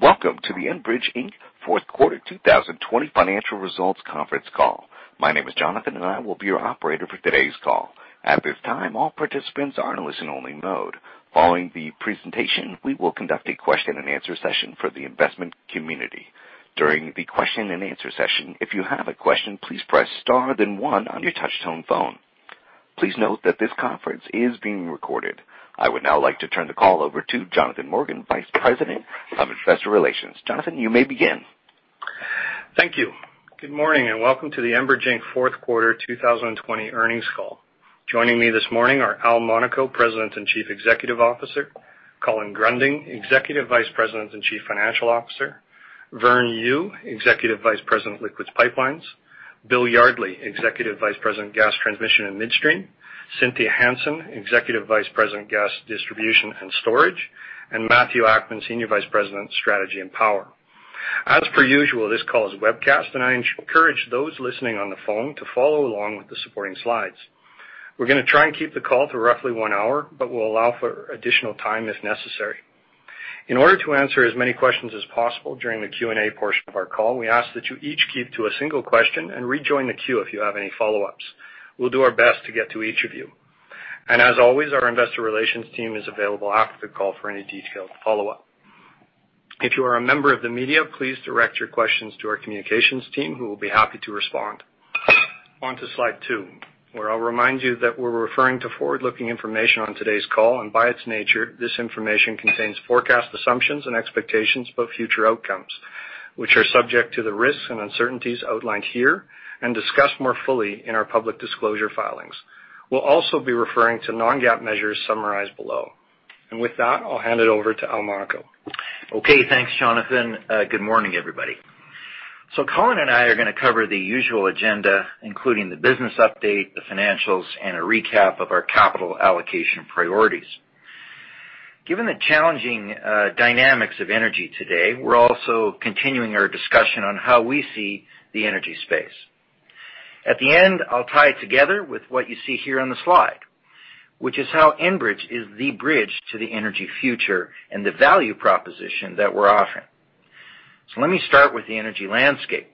Welcome to the Enbridge Inc. Fourth Quarter 2020 Financial Results Conference Call. My name is Jonathan, and I will be your operator for today's call. At this time, all participants are in a listen-only mode. Following the presentation, we will conduct a question-and-answer session for the investment community. During the question-and-answer session, if you have a question, please press star then one on your touch-tone phone. Please note that this conference is being recorded. I would now like to turn the call over to Jonathan Morgan, Vice President of Investor Relations. Jonathan, you may begin. Thank you. Good morning, welcome to the Enbridge Inc. Fourth Quarter 2020 earnings call. Joining me this morning are Al Monaco, President and Chief Executive Officer, Colin Gruending, Executive Vice President and Chief Financial Officer, Vern Yu, Executive Vice President, Liquids Pipelines, Bill Yardley, Executive Vice President, Gas Transmission and Midstream, Cynthia Hansen, Executive Vice President, Gas Distribution and Storage, and Matthew Akman, Senior Vice President, Strategy and Power. As per usual, this call is webcast, I encourage those listening on the phone to follow along with the supporting slides. We're going to try and keep the call to roughly one hour, we'll allow for additional time if necessary. In order to answer as many questions as possible during the Q&A portion of our call, we ask that you each keep to a single question and rejoin the queue if you have any follow-ups. We'll do our best to get to each of you. As always, our investor relations team is available after the call for any detailed follow-up. If you are a member of the media, please direct your questions to our communications team, who will be happy to respond. On to slide two, where I'll remind you that we're referring to forward-looking information on today's call, and by its nature, this information contains forecast assumptions and expectations about future outcomes, which are subject to the risks and uncertainties outlined here and discussed more fully in our public disclosure filings. We'll also be referring to non-GAAP measures summarized below. With that, I'll hand it over to Al Monaco. Thanks, Jonathan. Good morning, everybody. Colin and I are going to cover the usual agenda, including the business update, the financials, and a recap of our capital allocation priorities. Given the challenging dynamics of energy today, we're also continuing our discussion on how we see the energy space. At the end, I'll tie it together with what you see here on the slide, which is how Enbridge is the bridge to the energy future and the value proposition that we're offering. Let me start with the energy landscape.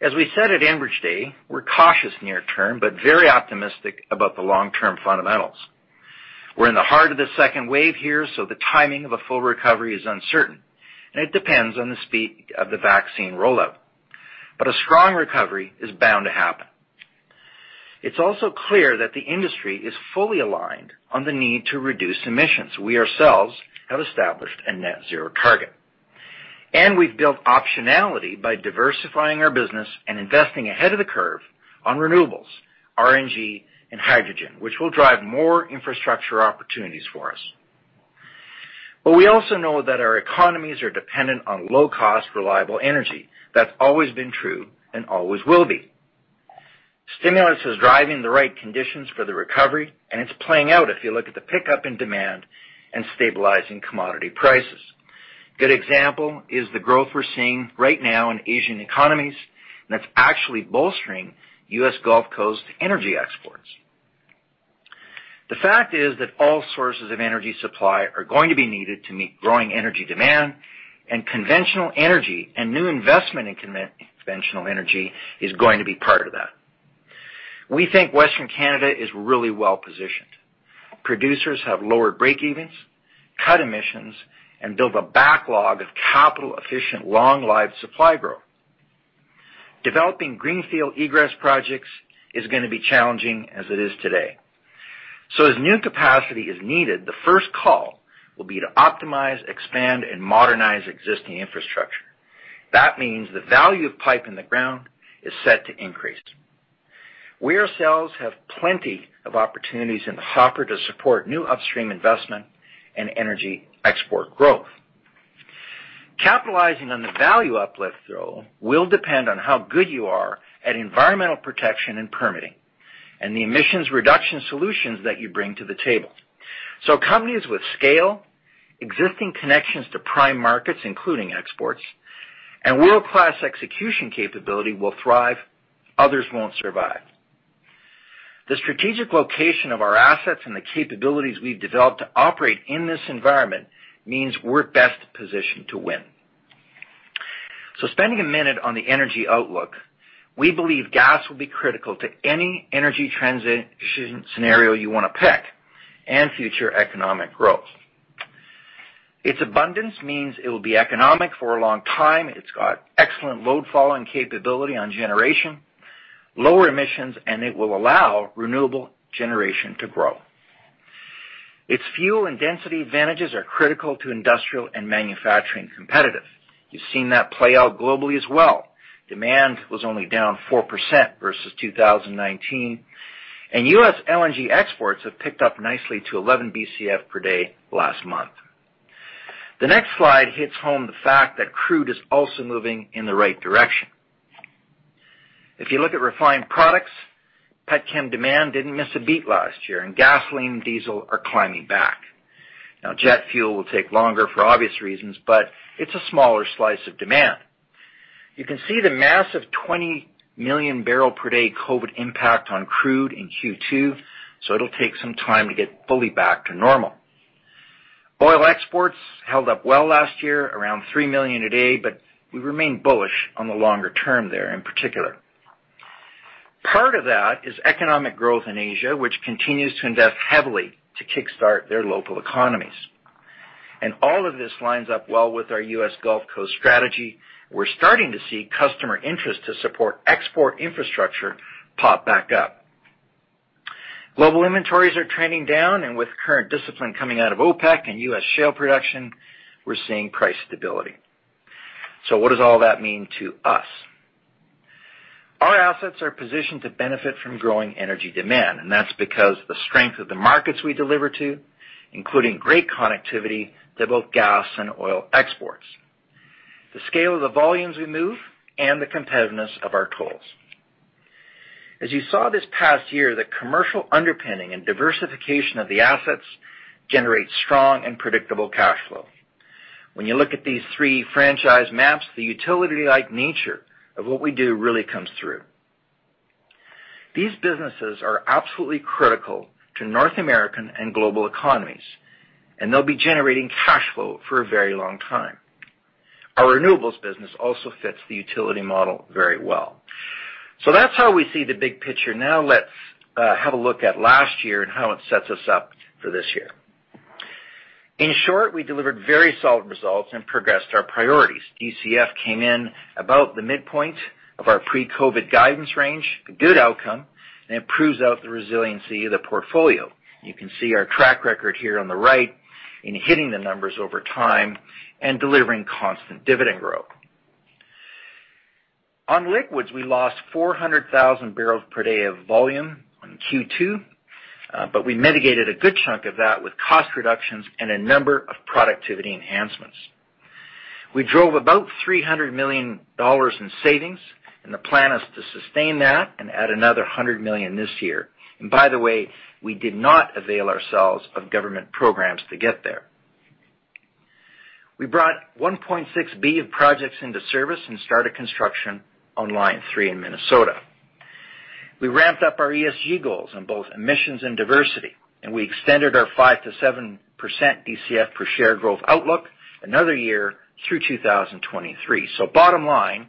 As we said at Enbridge Day, we're cautious near term, very optimistic about the long-term fundamentals. We're in the heart of the second wave here, the timing of a full recovery is uncertain, it depends on the speed of the vaccine rollout. A strong recovery is bound to happen. It's also clear that the industry is fully aligned on the need to reduce emissions. We ourselves have established a net zero target. We've built optionality by diversifying our business and investing ahead of the curve on renewables, RNG, and hydrogen, which will drive more infrastructure opportunities for us. We also know that our economies are dependent on low-cost, reliable energy. That's always been true and always will be. Stimulus is driving the right conditions for the recovery, and it's playing out if you look at the pickup in demand and stabilizing commodity prices. Good example is the growth we're seeing right now in Asian economies that's actually bolstering U.S. Gulf Coast energy exports. The fact is that all sources of energy supply are going to be needed to meet growing energy demand, and conventional energy and new investment in conventional energy is going to be part of that. We think Western Canada is really well-positioned. Producers have lowered break-evens, cut emissions, and built a backlog of capital-efficient, long-lived supply growth. Developing greenfield egress projects is going to be challenging as it is today. As new capacity is needed, the first call will be to optimize, expand, and modernize existing infrastructure. That means the value of pipe in the ground is set to increase. We ourselves have plenty of opportunities in the hopper to support new upstream investment and energy export growth. Capitalizing on the value uplift, though, will depend on how good you are at environmental protection and permitting and the emissions reduction solutions that you bring to the table. Companies with scale, existing connections to prime markets, including exports, and world-class execution capability will thrive. Others won't survive. The strategic location of our assets and the capabilities we've developed to operate in this environment means we're best positioned to win. Spending a minute on the energy outlook, we believe gas will be critical to any energy transition scenario you want to pick and future economic growth. Its abundance means it will be economic for a long time. It's got excellent load following capability on generation, lower emissions, and it will allow renewable generation to grow. Its fuel and density advantages are critical to industrial and manufacturing competitive. You've seen that play out globally as well. Demand was only down 4% versus 2019, and U.S. LNG exports have picked up nicely to 11 BCF per day last month. The next slide hits home the fact that crude is also moving in the right direction. If you look at refined products, petchem demand didn't miss a beat last year. Gasoline, diesel are climbing back. Jet fuel will take longer for obvious reasons, but it's a smaller slice of demand. You can see the massive 20 MMbpd COVID impact on crude in Q2. It'll take some time to get fully back to normal. Oil exports held up well last year, around 3 MMbpd. We remain bullish on the longer term there in particular. Part of that is economic growth in Asia, which continues to invest heavily to kickstart their local economies. All of this lines up well with our U.S. Gulf Coast strategy. We're starting to see customer interest to support export infrastructure pop back up. Global inventories are trending down, with current discipline coming out of OPEC and U.S. shale production, we're seeing price stability. What does all that mean to us? Our assets are positioned to benefit from growing energy demand, and that's because the strength of the markets we deliver to, including great connectivity to both gas and oil exports, the scale of the volumes we move, and the competitiveness of our tolls. As you saw this past year, the commercial underpinning and diversification of the assets generates strong and predictable cash flow. When you look at these three franchise maps, the utility-like nature of what we do really comes through. These businesses are absolutely critical to North American and global economies, and they'll be generating cash flow for a very long time. Our renewables business also fits the utility model very well. That's how we see the big picture. Now let's have a look at last year and how it sets us up for this year. In short, we delivered very solid results and progressed our priorities. DCF came in about the midpoint of our pre-COVID guidance range, a good outcome, and it proves out the resiliency of the portfolio. You can see our track record here on the right in hitting the numbers over time and delivering constant dividend growth. On liquids, we lost 400,000 bpd of volume in Q2, but we mitigated a good chunk of that with cost reductions and a number of productivity enhancements. We drove about 300 million dollars in savings, the plan is to sustain that and add another 100 million this year. By the way, we did not avail ourselves of government programs to get there. We brought 1.6 billion of projects into service and started construction on Line 3 in Minnesota. We ramped up our ESG goals on both emissions and diversity, and we extended our 5%-7% DCF per share growth outlook another year through 2023. Bottom line,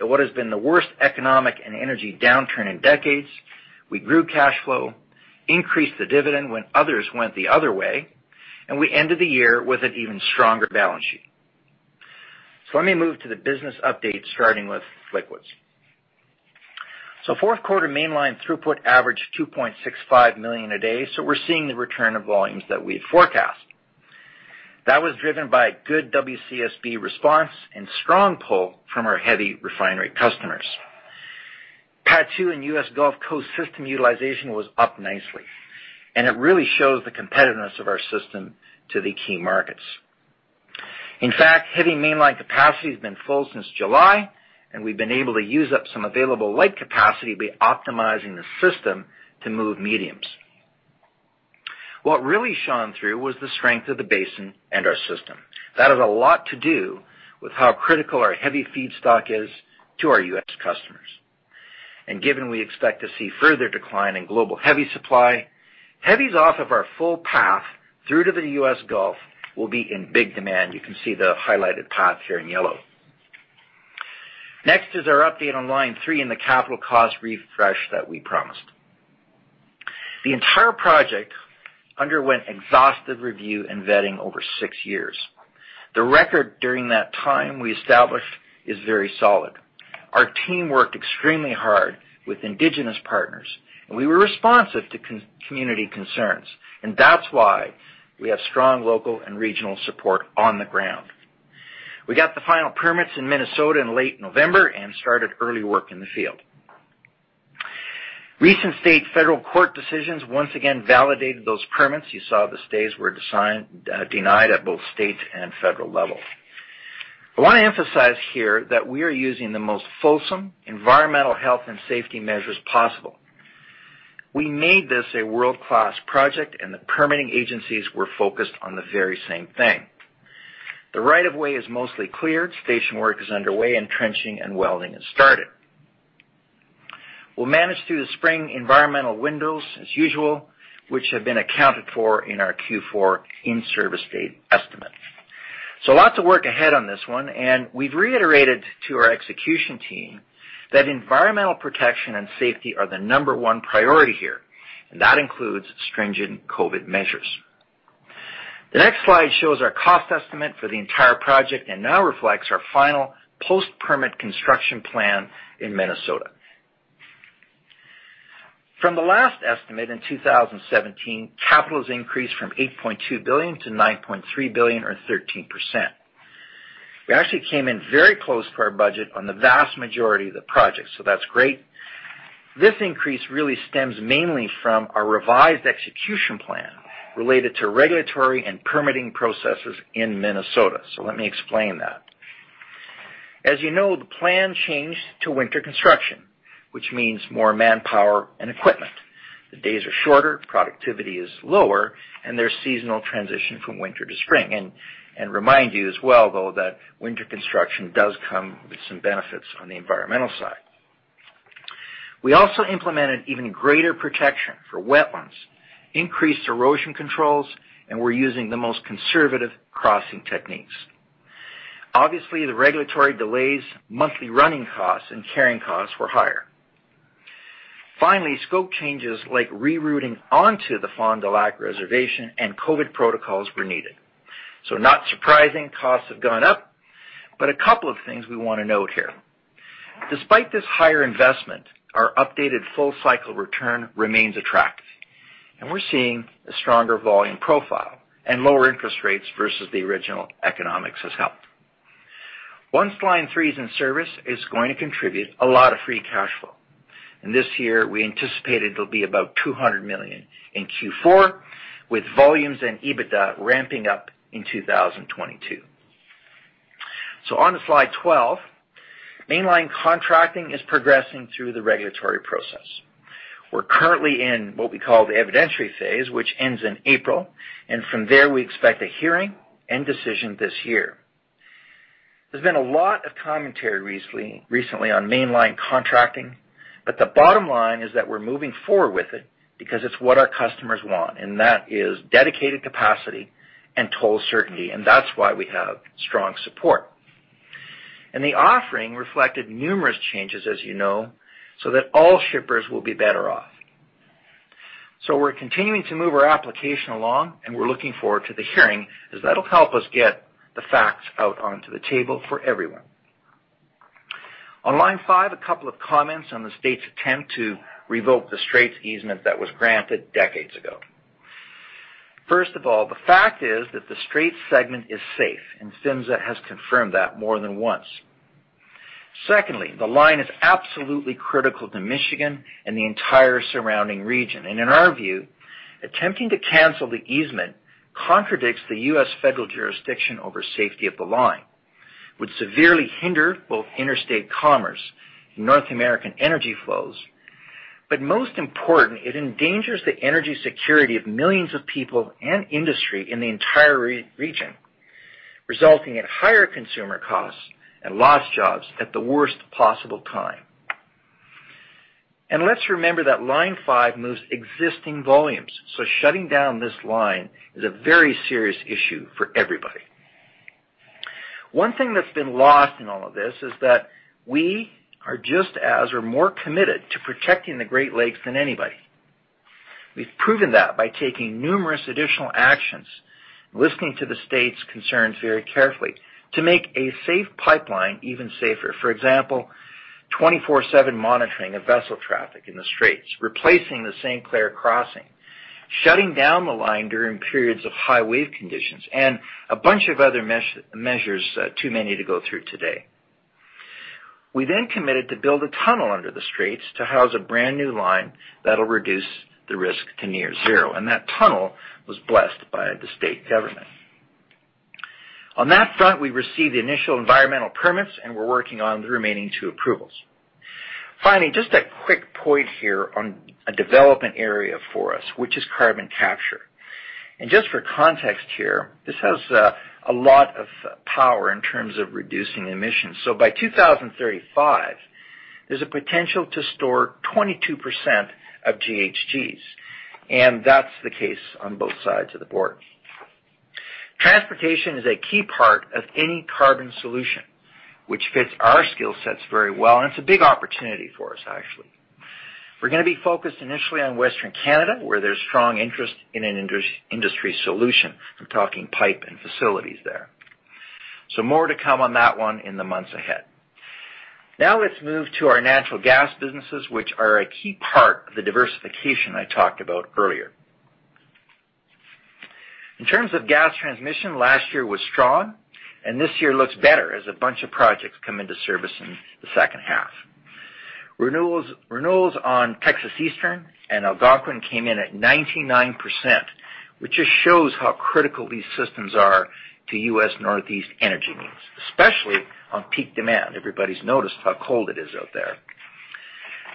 in what has been the worst economic and energy downturn in decades, we grew cash flow, increased the dividend when others went the other way, and we ended the year with an even stronger balance sheet. Let me move to the business update, starting with liquids. Fourth quarter Mainline throughput averaged 2.65 MMbpd, so we're seeing the return of volumes that we'd forecast. That was driven by good WCSB response and strong pull from our heavy refinery customers. Part two in U.S. Gulf Coast system utilization was up nicely. It really shows the competitiveness of our system to the key markets. In fact, heavy Mainline capacity has been full since July. We've been able to use up some available light capacity by optimizing the system to move mediums. What really shone through was the strength of the basin and our system. That has a lot to do with how critical our heavy feedstock is to our U.S. customers. Given we expect to see further decline in global heavy supply, heavies off of our full path through to the U.S. Gulf will be in big demand. You can see the highlighted path here in yellow. Next is our update on Line 3 and the capital cost refresh that we promised. The entire project underwent exhaustive review and vetting over six years. The record during that time we established is very solid. Our team worked extremely hard with indigenous partners, and we were responsive to community concerns, and that's why we have strong local and regional support on the ground. We got the final permits in Minnesota in late November and started early work in the field. Recent state federal court decisions once again validated those permits. You saw the stays were denied at both state and federal level. I want to emphasize here that we are using the most fulsome environmental health and safety measures possible. We made this a world-class project, and the permitting agencies were focused on the very same thing. The right of way is mostly cleared, station work is underway, and trenching and welding has started. We'll manage through the spring environmental windows as usual, which have been accounted for in our Q4 in-service date estimate. Lots of work ahead on this one, and we've reiterated to our execution team that environmental protection and safety are the number one priority here, and that includes stringent COVID measures. The next slide shows our cost estimate for the entire project and now reflects our final post-permit construction plan in Minnesota. From the last estimate in 2017, capital has increased from 8.2 billion-9.3 billion or 13%. We actually came in very close to our budget on the vast majority of the project. That's great. This increase really stems mainly from our revised execution plan related to regulatory and permitting processes in Minnesota. Let me explain that. As you know, the plan changed to winter construction, which means more manpower and equipment. The days are shorter, productivity is lower, and there's seasonal transition from winter to spring. Remind you as well, though, that winter construction does come with some benefits on the environmental side. We also implemented even greater protection for wetlands, increased erosion controls, and we're using the most conservative crossing techniques. Obviously, the regulatory delays, monthly running costs, and carrying costs were higher. Finally, scope changes like rerouting onto the Fond du Lac Reservation and COVID protocols were needed. Not surprising, costs have gone up, but a couple of things we want to note here. Despite this higher investment, our updated full-cycle return remains attractive, and we're seeing a stronger volume profile and lower interest rates versus the original economics has helped. Once Line 3 is in service, it's going to contribute a lot of free cash flow. In this year, we anticipate it'll be about 200 million in Q4, with volumes and EBITDA ramping up in 2022. On to slide 12. Mainline contracting is progressing through the regulatory process. We're currently in what we call the evidentiary phase, which ends in April. From there, we expect a hearing and decision this year. There's been a lot of commentary recently on Mainline contracting. The bottom line is that we're moving forward with it because it's what our customers want. That is dedicated capacity and toll certainty. That's why we have strong support. The offering reflected numerous changes, as you know, that all shippers will be better off. We're continuing to move our application along. We're looking forward to the hearing as that'll help us get the facts out onto the table for everyone. On Line 5, a couple of comments on the state's attempt to revoke the Straits easement that was granted decades ago. First of all, the fact is that the Straits segment is safe, PHMSA has confirmed that more than once. Secondly, the line is absolutely critical to Michigan and the entire surrounding region. In our view, attempting to cancel the easement contradicts the U.S. federal jurisdiction over safety of the line, would severely hinder both interstate commerce and North American energy flows. Most important, it endangers the energy security of millions of people and industry in the entire region, resulting in higher consumer costs and lost jobs at the worst possible time. Let's remember that Line 5 moves existing volumes, so shutting down this line is a very serious issue for everybody. One thing that's been lost in all of this is that we are just as or more committed to protecting the Great Lakes than anybody. We've proven that by taking numerous additional actions, listening to the state's concerns very carefully to make a safe pipeline even safer. For example, 24/7 monitoring of vessel traffic in the Straits, replacing the St. Clair crossing, shutting down the line during periods of high wave conditions, and a bunch of other measures, too many to go through today. We then committed to build a tunnel under the Straits to house a brand-new line that'll reduce the risk to near zero, and that tunnel was blessed by the state government. On that front, we received the initial environmental permits, and we're working on the remaining two approvals. Finally, just a quick point here on a development area for us, which is carbon capture. Just for context here, this has a lot of power in terms of reducing emissions. By 2035, there's a potential to store 22% of GHGs, and that's the case on both sides of the board. Transportation is a key part of any carbon solution, which fits our skill sets very well, and it's a big opportunity for us, actually. We're going to be focused initially on Western Canada, where there's strong interest in an industry solution. I'm talking pipe and facilities there. More to come on that one in the months ahead. Now let's move to our natural gas businesses, which are a key part of the diversification I talked about earlier. In terms of Gas Transmission, last year was strong, and this year looks better as a bunch of projects come into service in the second half. Renewals on Texas Eastern and Algonquin came in at 99%, which just shows how critical these systems are to U.S. Northeast energy needs, especially on peak demand. Everybody's noticed how cold it is out there.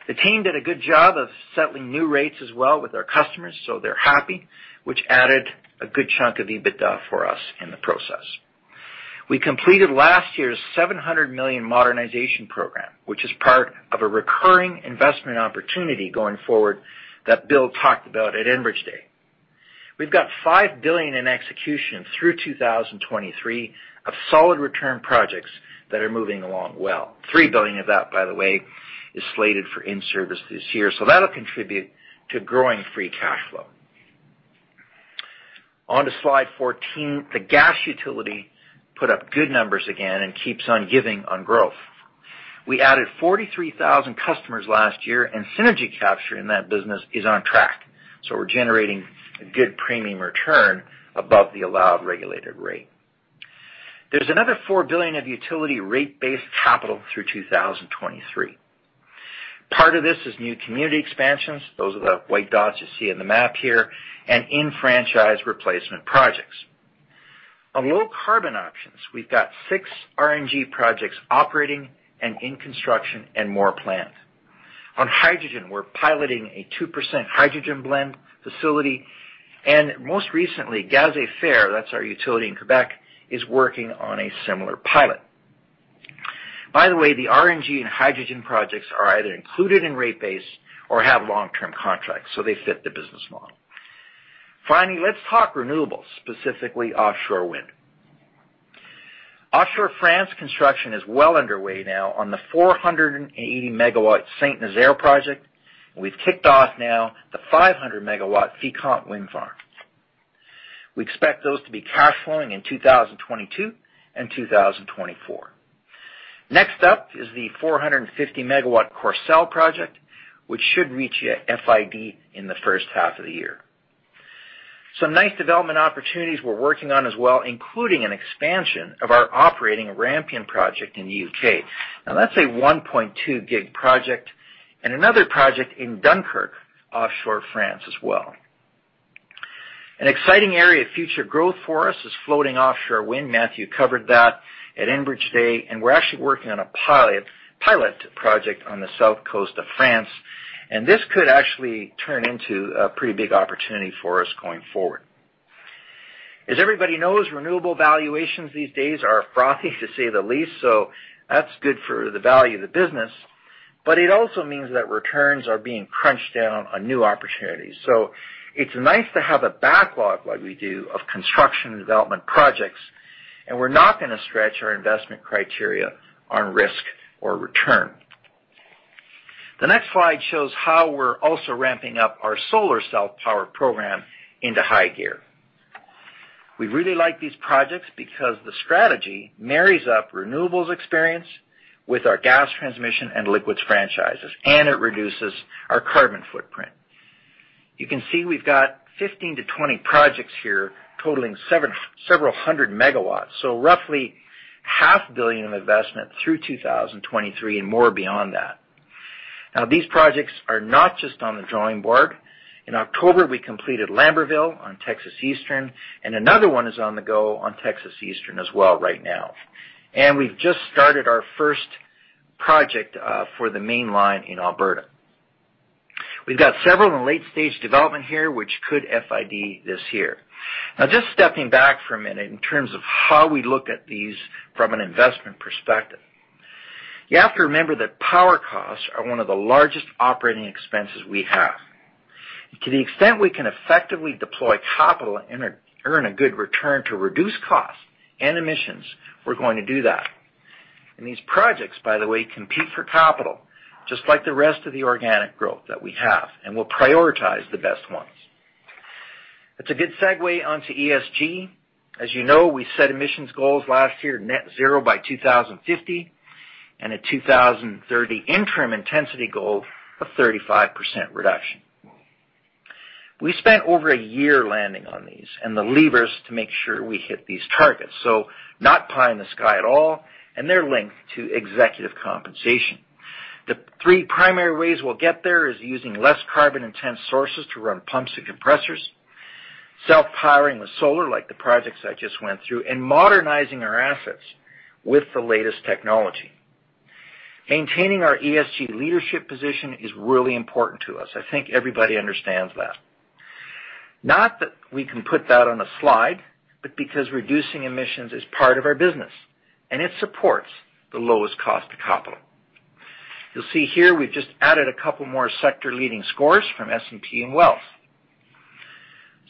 The team did a good job of settling new rates as well with our customers, so they're happy, which added a good chunk of EBITDA for us in the process. We completed last year's 700 million modernization program, which is part of a recurring investment opportunity going forward that Bill talked about at Enbridge Day. We've got 5 billion in execution through 2023 of solid return projects that are moving along well. 3 billion of that, by the way, is slated for in-service this year. That'll contribute to growing free cash flow. On to slide 14, the gas utility put up good numbers again and keeps on giving on growth. We added 43,000 customers last year, and synergy capture in that business is on track. We're generating a good premium return above the allowed regulated rate. There's another 4 billion of utility rate base capital through 2023. Part of this is new community expansions, those are the white dots you see on the map here, and in-franchise replacement projects. On low carbon options, we've got six RNG projects operating and in construction and more planned. On hydrogen, we're piloting a 2% hydrogen blend facility, and most recently, Gazifère, that's our utility in Quebec, is working on a similar pilot. By the way, the RNG and hydrogen projects are either included in rate base or have long-term contracts, so they fit the business model. Finally, let's talk renewables, specifically offshore wind. Offshore France construction is well underway now on the 480 MW Saint-Nazaire project, and we've kicked off now the 500 MW Fécamp wind farm. We expect those to be cash flowing in 2022 and 2024. Next up is the 450 MW Courseulles project, which should reach FID in the first half of the year. Some nice development opportunities we're working on as well, including an expansion of our operating Rampion project in the U.K. Now that's a 1.2 GW project and another project in Dunkirk, offshore France as well. An exciting area of future growth for us is floating offshore wind. Matthew covered that at Enbridge Day, and we're actually working on a pilot project on the south coast of France, and this could actually turn into a pretty big opportunity for us going forward. As everybody knows, renewable valuations these days are frothy, to say the least. That's good for the value of the business. It also means that returns are being crunched down on new opportunities. It's nice to have a backlog like we do of construction and development projects. We're not going to stretch our investment criteria on risk or return. The next slide shows how we're also ramping up our solar self-power program into high gear. We really like these projects because the strategy marries up renewables experience with our Gas Transmission and Liquids franchises. It reduces our carbon footprint. You can see we've got 15-20 projects here totaling several hundred megawatts, roughly 500,000 in investment through 2023. More beyond that. Now, these projects are not just on the drawing board. In October, we completed Lambertville on Texas Eastern, and another one is on the go on Texas Eastern as well right now. We've just started our first project for the Mainline in Alberta. We've got several in late-stage development here, which could FID this year. Just stepping back for a minute in terms of how we look at these from an investment perspective. You have to remember that power costs are one of the largest operating expenses we have. To the extent we can effectively deploy capital and earn a good return to reduce costs and emissions, we're going to do that. These projects, by the way, compete for capital just like the rest of the organic growth that we have, and we'll prioritize the best ones. It's a good segue onto ESG. As you know, we set emissions goals last year, net zero by 2050, and a 2030 interim intensity goal of 35% reduction. We spent over a year landing on these and the levers to make sure we hit these targets. Not pie in the sky at all, and they're linked to executive compensation. The three primary ways we'll get there is using less carbon-intense sources to run pumps and compressors, self-powering with solar, like the projects I just went through, and modernizing our assets with the latest technology. Maintaining our ESG leadership position is really important to us. I think everybody understands that. Not that we can put that on a slide, but because reducing emissions is part of our business, and it supports the lowest cost of capital. You'll see here we've just added a couple more sector-leading scores from S&P and Wells.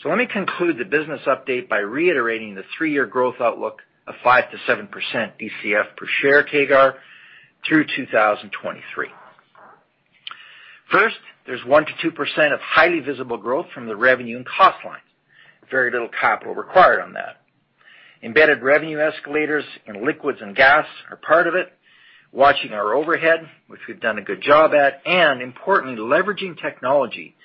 Let me conclude the business update by reiterating the three-year growth outlook of 5%-7% DCF per share CAGR through 2023. First, there's 1%-2% of highly visible growth from the revenue and cost line. Very little capital required on that. Embedded revenue escalators in liquids and gas are part of it. Watching our overhead, which we've done a good job at, and importantly, leveraging technology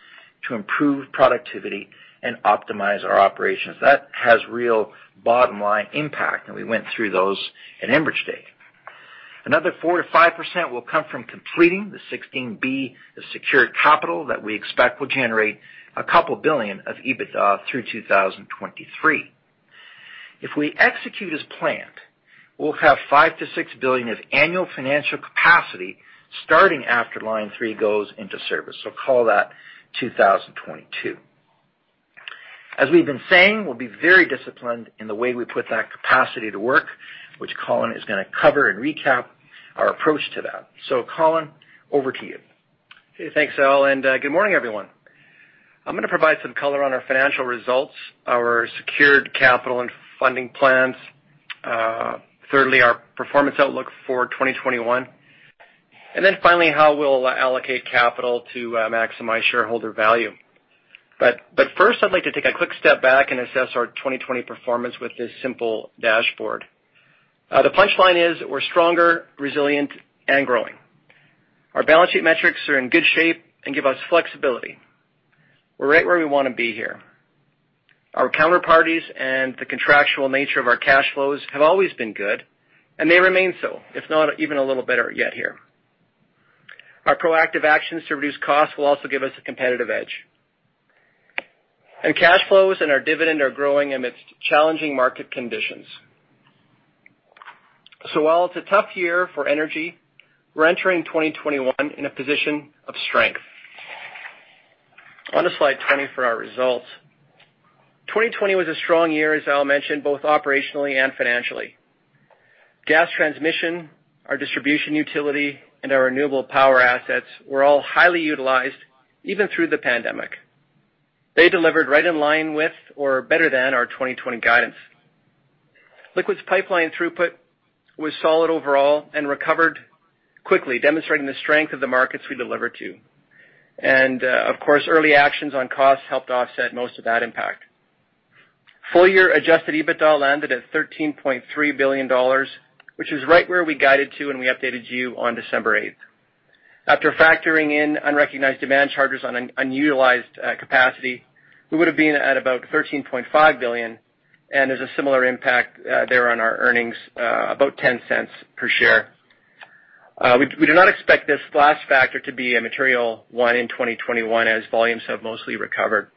to improve productivity and optimize our operations. That has real bottom-line impact, and we went through those at Enbridge Day. Another 4%-5% will come from completing the 16B, the secured capital that we expect will generate a couple billion of EBITDA through 2023. If we execute as planned, we'll have 5 billion-6 billion of annual financial capacity starting after Line 3 goes into service. Call that 2022. As we've been saying, we'll be very disciplined in the way we put that capacity to work, which Colin is going to cover and recap our approach to that. Colin, over to you. Okay, thanks, Al. Good morning, everyone. I'm going to provide some color on our financial results, our secured capital and funding plans. Thirdly, our performance outlook for 2021, then finally, how we'll allocate capital to maximize shareholder value. First, I'd like to take a quick step back and assess our 2020 performance with this simple dashboard. The punchline is we're stronger, resilient, and growing. Our balance sheet metrics are in good shape and give us flexibility. We're right where we want to be here. Our counterparties and the contractual nature of our cash flows have always been good. They remain so, if not even a little better yet here. Our proactive actions to reduce costs will also give us a competitive edge. Cash flows and our dividend are growing amidst challenging market conditions. While it's a tough year for energy, we're entering 2021 in a position of strength. On to slide 20 for our results. 2020 was a strong year, as Al mentioned, both operationally and financially. Gas Transmission, our Distribution Utility, and our renewable power assets were all highly utilized even through the pandemic. They delivered right in line with or better than our 2020 guidance. Liquids Pipelines throughput was solid overall and recovered quickly, demonstrating the strength of the markets we deliver to. Of course, early actions on costs helped offset most of that impact. Full-year adjusted EBITDA landed at 13.3 billion dollars, which is right where we guided to when we updated you on December eight. After factoring in unrecognized demand charges on unutilized capacity, we would've been at about CAD 13.5 billion, and there's a similar impact there on our earnings, about 0.10 per share. We do not expect this last factor to be a material one in 2021, as volumes have mostly recovered.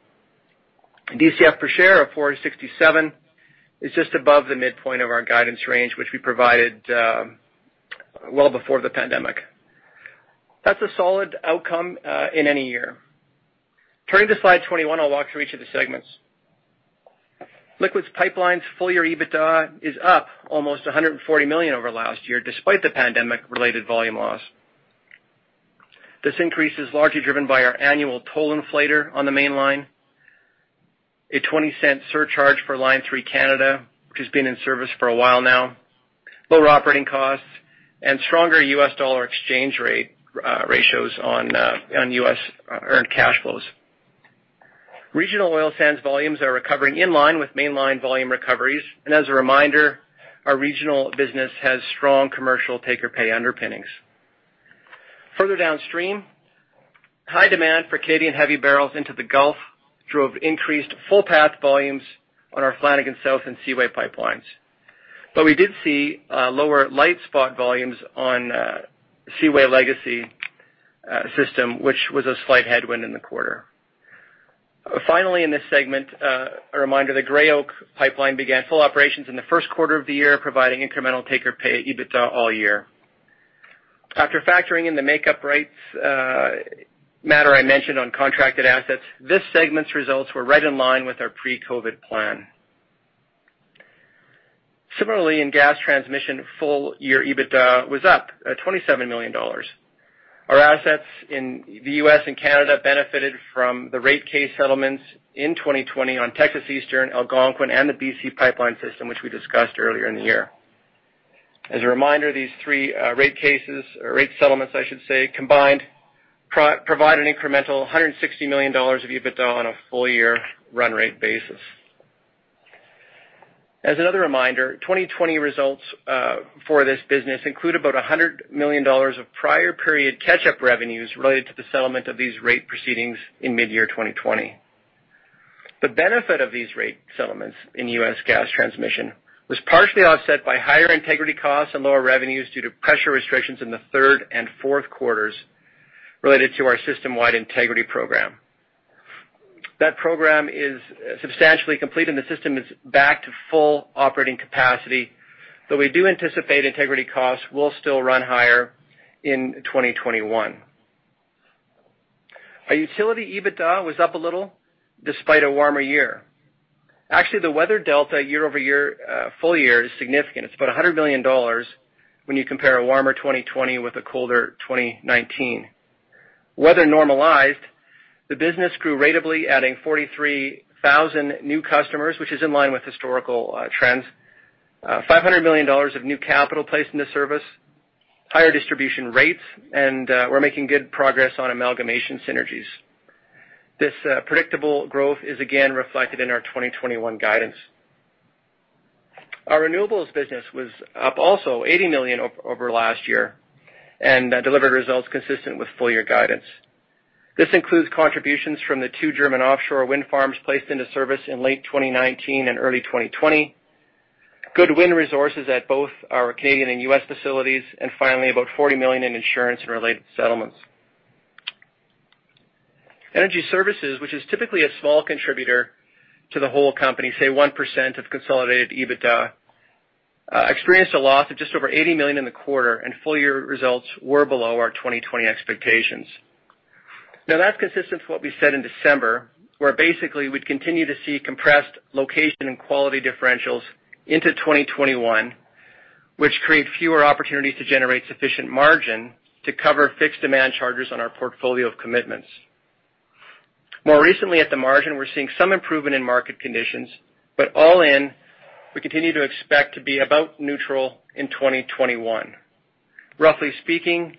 DCF per share of 4.67 is just above the midpoint of our guidance range, which we provided well before the pandemic. That's a solid outcome in any year. Turning to slide 21, I'll walk through each of the segments. Liquids Pipelines full-year EBITDA is up almost 140 million over last year, despite the pandemic-related volume loss. This increase is largely driven by our annual toll inflator on the Mainline, a 0.20 surcharge for Line 3 Canada, which has been in service for a while now, lower operating costs, and stronger U.S. dollar exchange rate ratios on U.S.-earned cash flows. Regional oil sands volumes are recovering in line with Mainline volume recoveries. As a reminder, our regional business has strong commercial take-or-pay underpinnings. Further downstream, high demand for Canadian heavy barrels into the Gulf drove increased full-path volumes on our Flanagan South Pipeline and Seaway Pipeline. We did see lower light spot volumes on Seaway Legacy system, which was a slight headwind in the quarter. Finally, in this segment, a reminder that Gray Oak Pipeline began full operations in the first quarter of the year, providing incremental take-or-pay EBITDA all year. After factoring in the make-up rights matter I mentioned on contracted assets, this segment's results were right in line with our pre-COVID plan. Similarly, in gas transmission, full-year EBITDA was up 27 million dollars. Our assets in the U.S. and Canada benefited from the rate case settlements in 2020 on Texas Eastern, Algonquin, and the BC Pipeline system, which we discussed earlier in the year. As a reminder, these three rate cases or rate settlements, I should say, combined provide an incremental 160 million dollars of EBITDA on a full-year run rate basis. As another reminder, 2020 results for this business include about 100 million dollars of prior period catch-up revenues related to the settlement of these rate proceedings in mid-year 2020. The benefit of these rate settlements in U.S. Gas Transmission was partially offset by higher integrity costs and lower revenues due to pressure restrictions in the third and fourth quarters related to our system-wide integrity program. That program is substantially complete, and the system is back to full operating capacity, but we do anticipate integrity costs will still run higher in 2021. Our utility EBITDA was up a little despite a warmer year. Actually, the weather delta year-over-year full-year is significant. It's about 100 million dollars when you compare a warmer 2020 with a colder 2019. Weather-normalized, the business grew ratably, adding 43,000 new customers, which is in line with historical trends, 500 million dollars of new capital placed into service, higher distribution rates, and we're making good progress on amalgamation synergies. This predictable growth is again reflected in our 2021 guidance. Our renewables business was up also 80 million over last year, and delivered results consistent with full-year guidance. This includes contributions from the two German offshore wind farms placed into service in late 2019 and early 2020, good wind resources at both our Canadian and U.S. facilities, and finally, about 40 million in insurance and related settlements. Energy services, which is typically a small contributor to the whole company, say 1% of consolidated EBITDA, experienced a loss of just over 80 million in the quarter, and full-year results were below our 2020 expectations. That's consistent to what we said in December, where basically we'd continue to see compressed location and quality differentials into 2021, which create fewer opportunities to generate sufficient margin to cover fixed demand charges on our portfolio of commitments. More recently at the margin, we're seeing some improvement in market conditions, but all in, we continue to expect to be about neutral in 2021. Roughly speaking,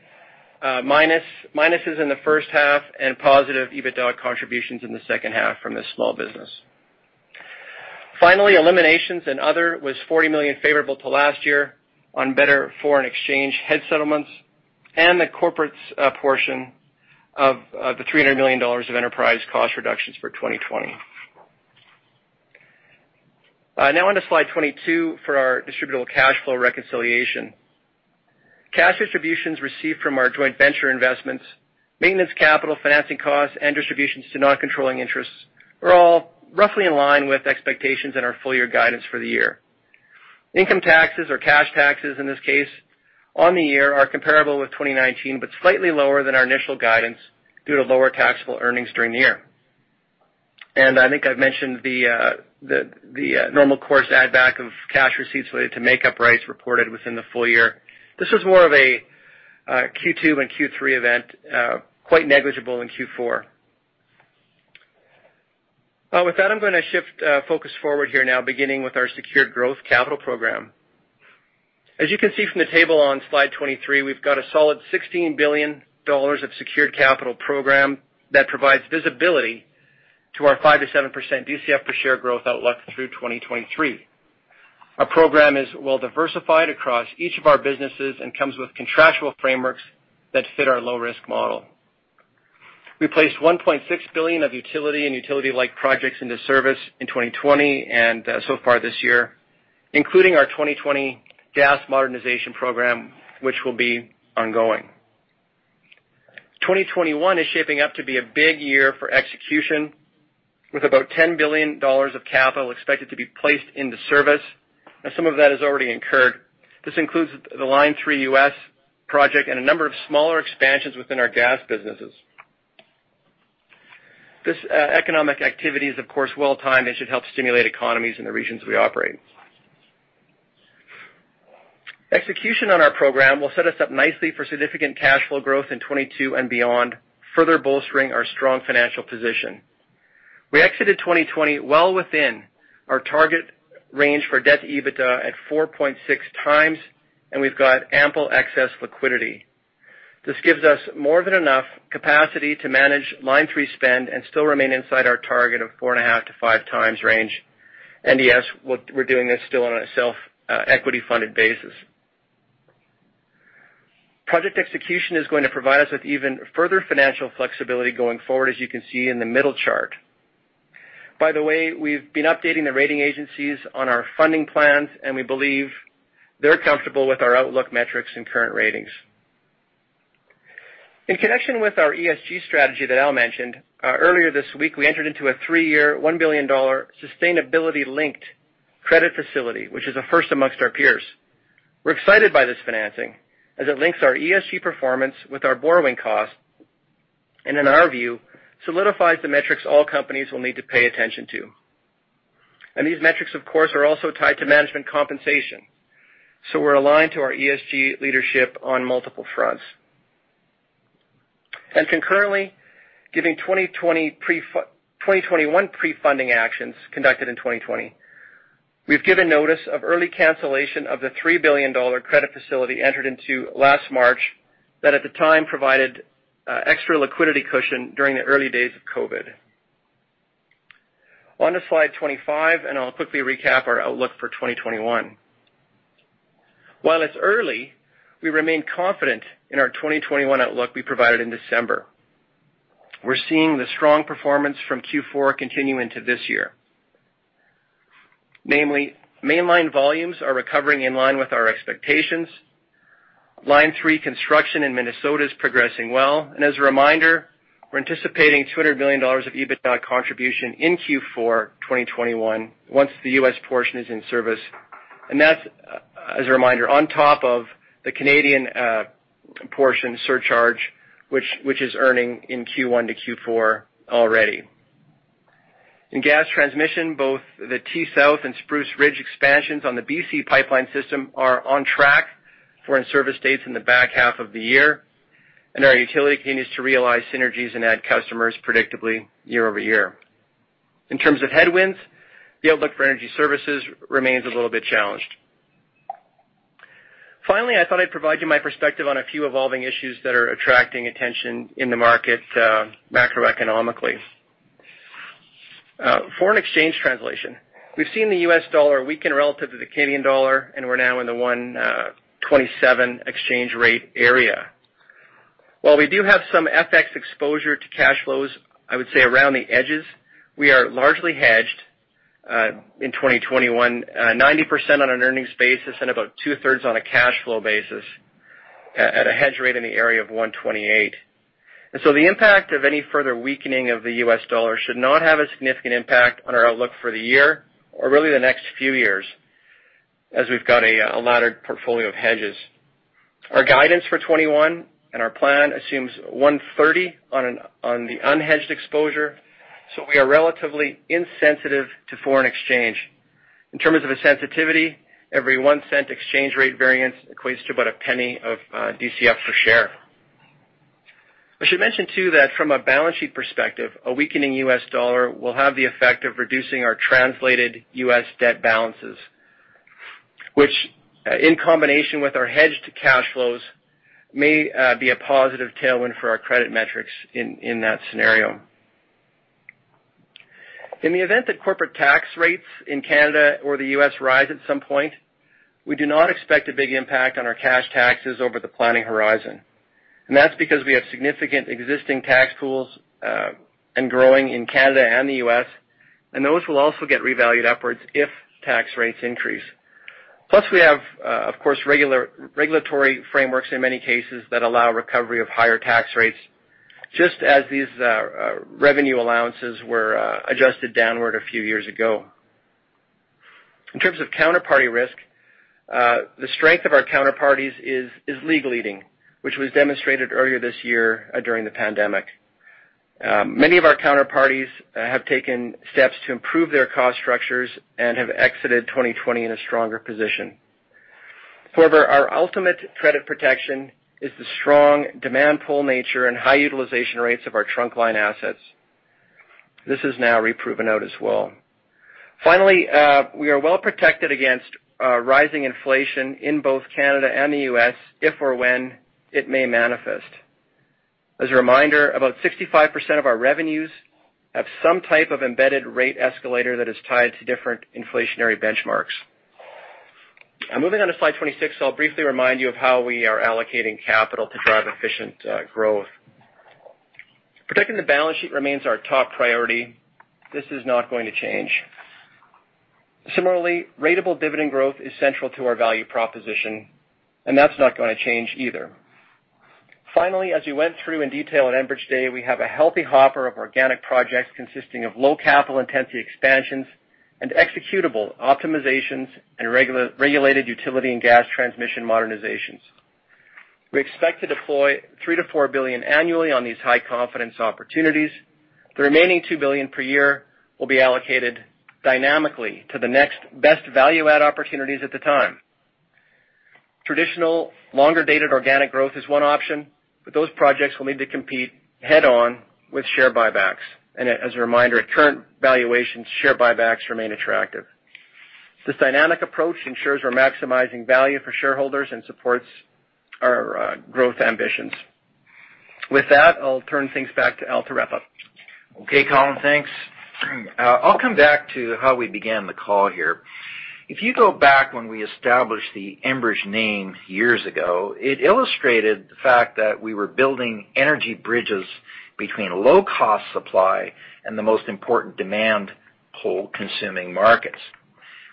minuses in the first half and positive EBITDA contributions in the second half from this small business. Eliminations and other was 40 million favorable to last year on better foreign exchange hedge settlements and the corporate's portion of the 300 million dollars of enterprise cost reductions for 2020. On to slide 22 for our Distributable Cash Flow reconciliation. Cash distributions received from our joint venture investments, maintenance, capital financing costs, and distributions to non-controlling interests were all roughly in line with expectations in our full-year guidance for the year. Income taxes or cash taxes, in this case on the year, are comparable with 2019, slightly lower than our initial guidance due to lower taxable earnings during the year. I think I've mentioned the normal course add back of cash receipts related to make-up rights reported within the full year. This was more of a Q2 and Q3 event, quite negligible in Q4. With that, I'm going to shift focus forward here now, beginning with our secured growth capital program. As you can see from the table on slide 23, we've got a solid 16 billion dollars of secured capital program that provides visibility to our 5%-7% DCF per share growth outlook through 2023. Our program is well diversified across each of our businesses and comes with contractual frameworks that fit our low-risk model. We placed 1.6 billion of utility and utility-like projects into service in 2020, and so far this year, including our 2020 Gas Modernization Program, which will be ongoing. 2021 is shaping up to be a big year for execution with about 10 billion dollars of capital expected to be placed into service, and some of that is already incurred. This includes the Line 3 U.S. project and a number of smaller expansions within our Gas businesses. This economic activity is, of course, well-timed and should help stimulate economies in the regions we operate. Execution on our program will set us up nicely for significant cash flow growth in 2022 and beyond, further bolstering our strong financial position. We exited 2020 well within our target range for debt-to-EBITDA at 4.6x. We've got ample excess liquidity. This gives us more than enough capacity to manage Line 3 spend and still remain inside our target of 4.5x-5x range. Yes, we're doing this still on a self-equity funded basis. Project execution is going to provide us with even further financial flexibility going forward, as you can see in the middle chart. By the way, we've been updating the rating agencies on our funding plans. We believe they're comfortable with our outlook metrics and current ratings. In connection with our ESG strategy that Al mentioned, earlier this week, we entered into a three-year, CAD 1 billion sustainability-linked credit facility, which is a first amongst our peers. We're excited by this financing as it links our ESG performance with our borrowing cost, in our view, solidifies the metrics all companies will need to pay attention to. These metrics, of course, are also tied to management compensation, so we're aligned to our ESG leadership on multiple fronts. Concurrently, giving 2021 pre-funding actions conducted in 2020, we've given notice of early cancellation of the 3 billion dollar credit facility entered into last March that at the time provided extra liquidity cushion during the early days of COVID. On to slide 25, and I'll quickly recap our outlook for 2021. While it's early, we remain confident in our 2021 outlook we provided in December. We're seeing the strong performance from Q4 continue into this year. Namely, Mainline volumes are recovering in line with our expectations. Line 3 construction in Minnesota is progressing well. As a reminder, we're anticipating 200 million dollars of EBITDA contribution in Q4 2021 once the U.S. portion is in service. That's, as a reminder, on top of the Canadian portion surcharge, which is earning in Q1 to Q4 already. In Gas Transmission, both the T-South and Spruce Ridge expansions on the BC Pipeline system are on track for in-service dates in the back half of the year. Our utility continues to realize synergies and add customers predictably year-over-year. In terms of headwinds, the outlook for Energy Services remains a little bit challenged. Finally, I thought I'd provide you my perspective on a few evolving issues that are attracting attention in the market macroeconomically. Foreign exchange translation. We've seen the U.S. dollar weaken relative to the Canadian dollar, and we're now in the 1.27 exchange rate area. While we do have some FX exposure to cash flows, I would say around the edges, we are largely hedged in 2021, 90% on an earnings basis and about 2/3 on a cash flow basis at a hedge rate in the area of 1.28. The impact of any further weakening of the U.S. dollar should not have a significant impact on our outlook for the year or really the next few years as we've got a laddered portfolio of hedges. Our guidance for 2021 and our plan assumes 1.30 on the unhedged exposure, so we are relatively insensitive to foreign exchange. In terms of a sensitivity, every one cent exchange rate variance equates to about CAD 0.01 of DCF per share. I should mention, too, that from a balance sheet perspective, a weakening U.S. dollar will have the effect of reducing our translated U.S. debt balances, which, in combination with our hedged cash flows, may be a positive tailwind for our credit metrics in that scenario. That's because we have significant existing tax pools and growing in Canada and the U.S., and those will also get revalued upwards if tax rates increase. Plus, we have, of course, regulatory frameworks in many cases that allow recovery of higher tax rates, just as these revenue allowances were adjusted downward a few years ago. In terms of counterparty risk, the strength of our counterparties is league leading, which was demonstrated earlier this year during the pandemic. Many of our counterparties have taken steps to improve their cost structures and have exited 2020 in a stronger position. Our ultimate credit protection is the strong demand pull nature and high utilization rates of our trunk line assets. This has now re-proven out as well. We are well-protected against rising inflation in both Canada and the U.S. if or when it may manifest. As a reminder, about 65% of our revenues have some type of embedded rate escalator that is tied to different inflationary benchmarks. Moving on to slide 26, I'll briefly remind you of how we are allocating capital to drive efficient growth. Protecting the balance sheet remains our top priority. This is not going to change. Similarly, ratable dividend growth is central to our value proposition, and that's not going to change either. Finally, as we went through in detail on Enbridge Day, we have a healthy hopper of organic projects consisting of low capital intensity expansions and executable optimizations in regulated utility and Gas Transmission modernizations. We expect to deploy 3 billion-4 billion annually on these high-confidence opportunities. The remaining 2 billion per year will be allocated dynamically to the next best value-add opportunities at the time. Traditional longer-dated organic growth is one option, those projects will need to compete head-on with share buybacks. As a reminder, at current valuations, share buybacks remain attractive. This dynamic approach ensures we're maximizing value for shareholders and supports our growth ambitions. With that, I'll turn things back to Al to wrap up. Okay, Colin. Thanks. I'll come back to how we began the call here. If you go back when we established the Enbridge name years ago, it illustrated the fact that we were building energy bridges between low-cost supply and the most important demand pull consuming markets.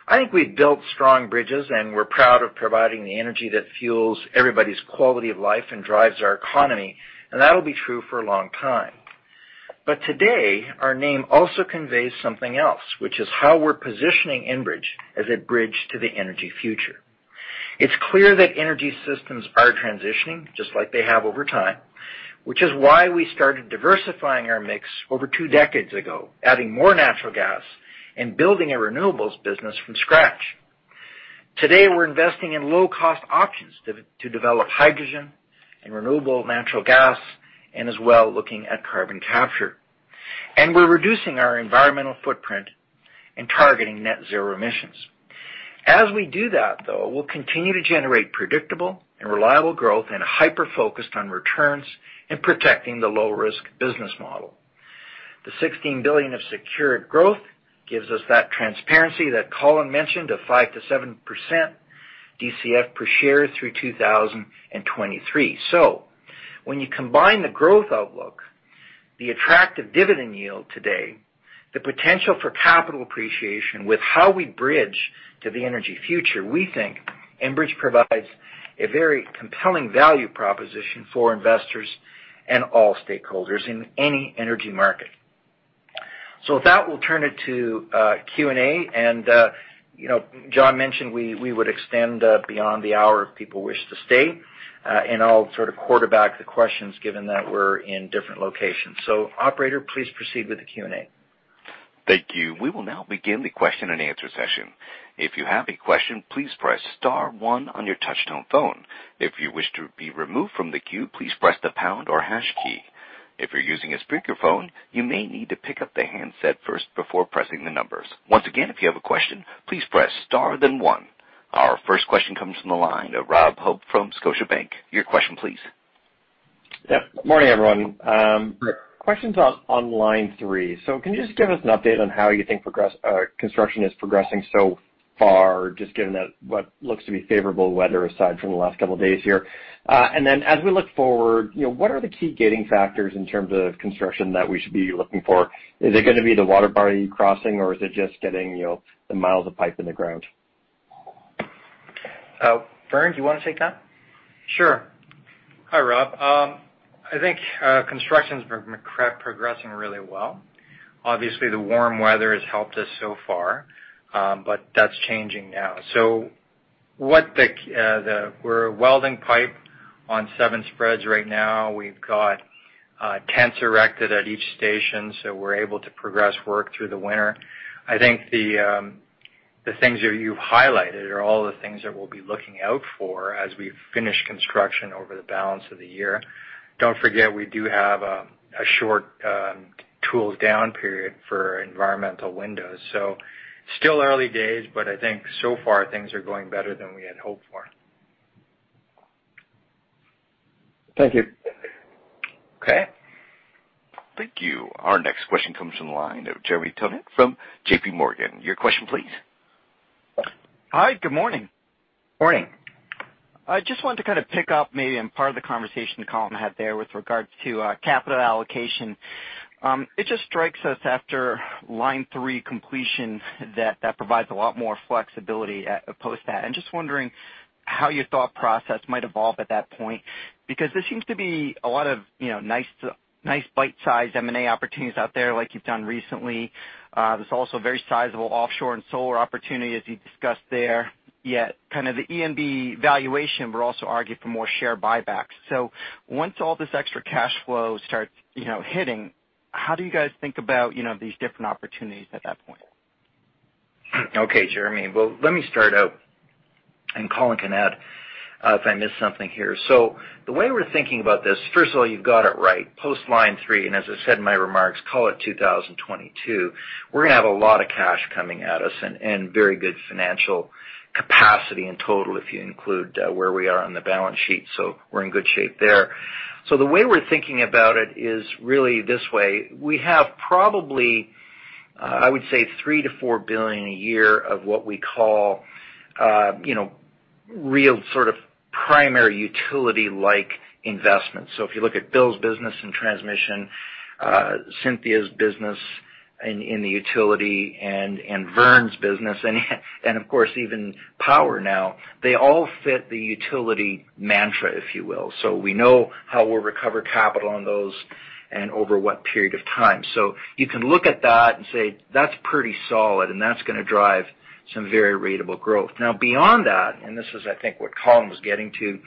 I think we've built strong bridges, and we're proud of providing the energy that fuels everybody's quality of life and drives our economy, and that'll be true for a long time. Today, our name also conveys something else, which is how we're positioning Enbridge as a bridge to the energy future. It's clear that energy systems are transitioning, just like they have over time, which is why we started diversifying our mix over two decades ago, adding more natural gas and building a renewables business from scratch. Today, we're investing in low-cost options to develop hydrogen and renewable natural gas, and as well, looking at carbon capture. We're reducing our environmental footprint and targeting net zero emissions. As we do that, though, we'll continue to generate predictable and reliable growth and are hyper-focused on returns and protecting the low-risk business model. The 16 billion of secured growth gives us that transparency that Colin mentioned of 5%-7% DCF per share through 2023. When you combine the growth outlook, the attractive dividend yield today, the potential for capital appreciation with how we bridge to the energy future, we think Enbridge provides a very compelling value proposition for investors and all stakeholders in any energy market. With that, we'll turn it to Q&A. John mentioned we would extend beyond the hour if people wish to stay. I'll sort of quarterback the questions, given that we're in different locations. Operator, please proceed with the Q&A. Thank you. We will now begin the question-and-answer session. Our first question comes from the line of Rob Hope from Scotiabank. Your question please. Yep. Morning, everyone. Questions on Line 3. Can you just give us an update on how you think construction is progressing so far, just given that what looks to be favorable weather aside from the last couple of days here. As we look forward, what are the key gating factors in terms of construction that we should be looking for? Is it going to be the waterbody crossing or is it just getting the miles of pipe in the ground? Vern, do you want to take that? Sure. Hi, Rob. I think construction's been progressing really well. Obviously, the warm weather has helped us so far, that's changing now. We're welding pipe on seven spreads right now. We've got tents erected at each station, we're able to progress work through the winter. I think the things that you've highlighted are all the things that we'll be looking out for as we finish construction over the balance of the year. Don't forget, we do have a short tools down period for environmental windows. Still early days, I think so far things are going better than we had hoped for. Thank you. Okay. Thank you. Our next question comes from the line of Jeremy Tonet from J.P. Morgan. Your question please. Hi, good morning. Morning. I just wanted to pick up maybe on part of the conversation Colin Gruending had there with regards to capital allocation. It just strikes us after Line 3 completion that that provides a lot more flexibility post that. I'm just wondering how your thought process might evolve at that point, because there seems to be a lot of nice bite-sized M&A opportunities out there like you've done recently. There's also very sizable offshore and solar opportunity as you discussed there, yet kind of the EBITDA valuation would also argue for more share buybacks. Once all this extra cash flow starts hitting, how do you guys think about these different opportunities at that point? Okay, Jeremy. Let me start out, and Colin can add if I miss something here. The way we're thinking about this, first of all, you've got it right. Post Line 3, as I said in my remarks, call it 2022, we're going to have a lot of cash coming at us and very good financial capacity in total, if you include where we are on the balance sheet. We're in good shape there. The way we're thinking about it is really this way. We have probably, I would say 3 billion-4 billion a year of what we call real sort of primary utility-like investments. If you look at Bill's business in transmission, Cynthia's business in the utility, and Vern's business, and of course even Power now, they all fit the utility mantra, if you will. We know how we'll recover capital on those and over what period of time. You can look at that and say, "That's pretty solid, and that's going to drive some very ratable growth." Now, beyond that, and this is, I think, what Colin was getting to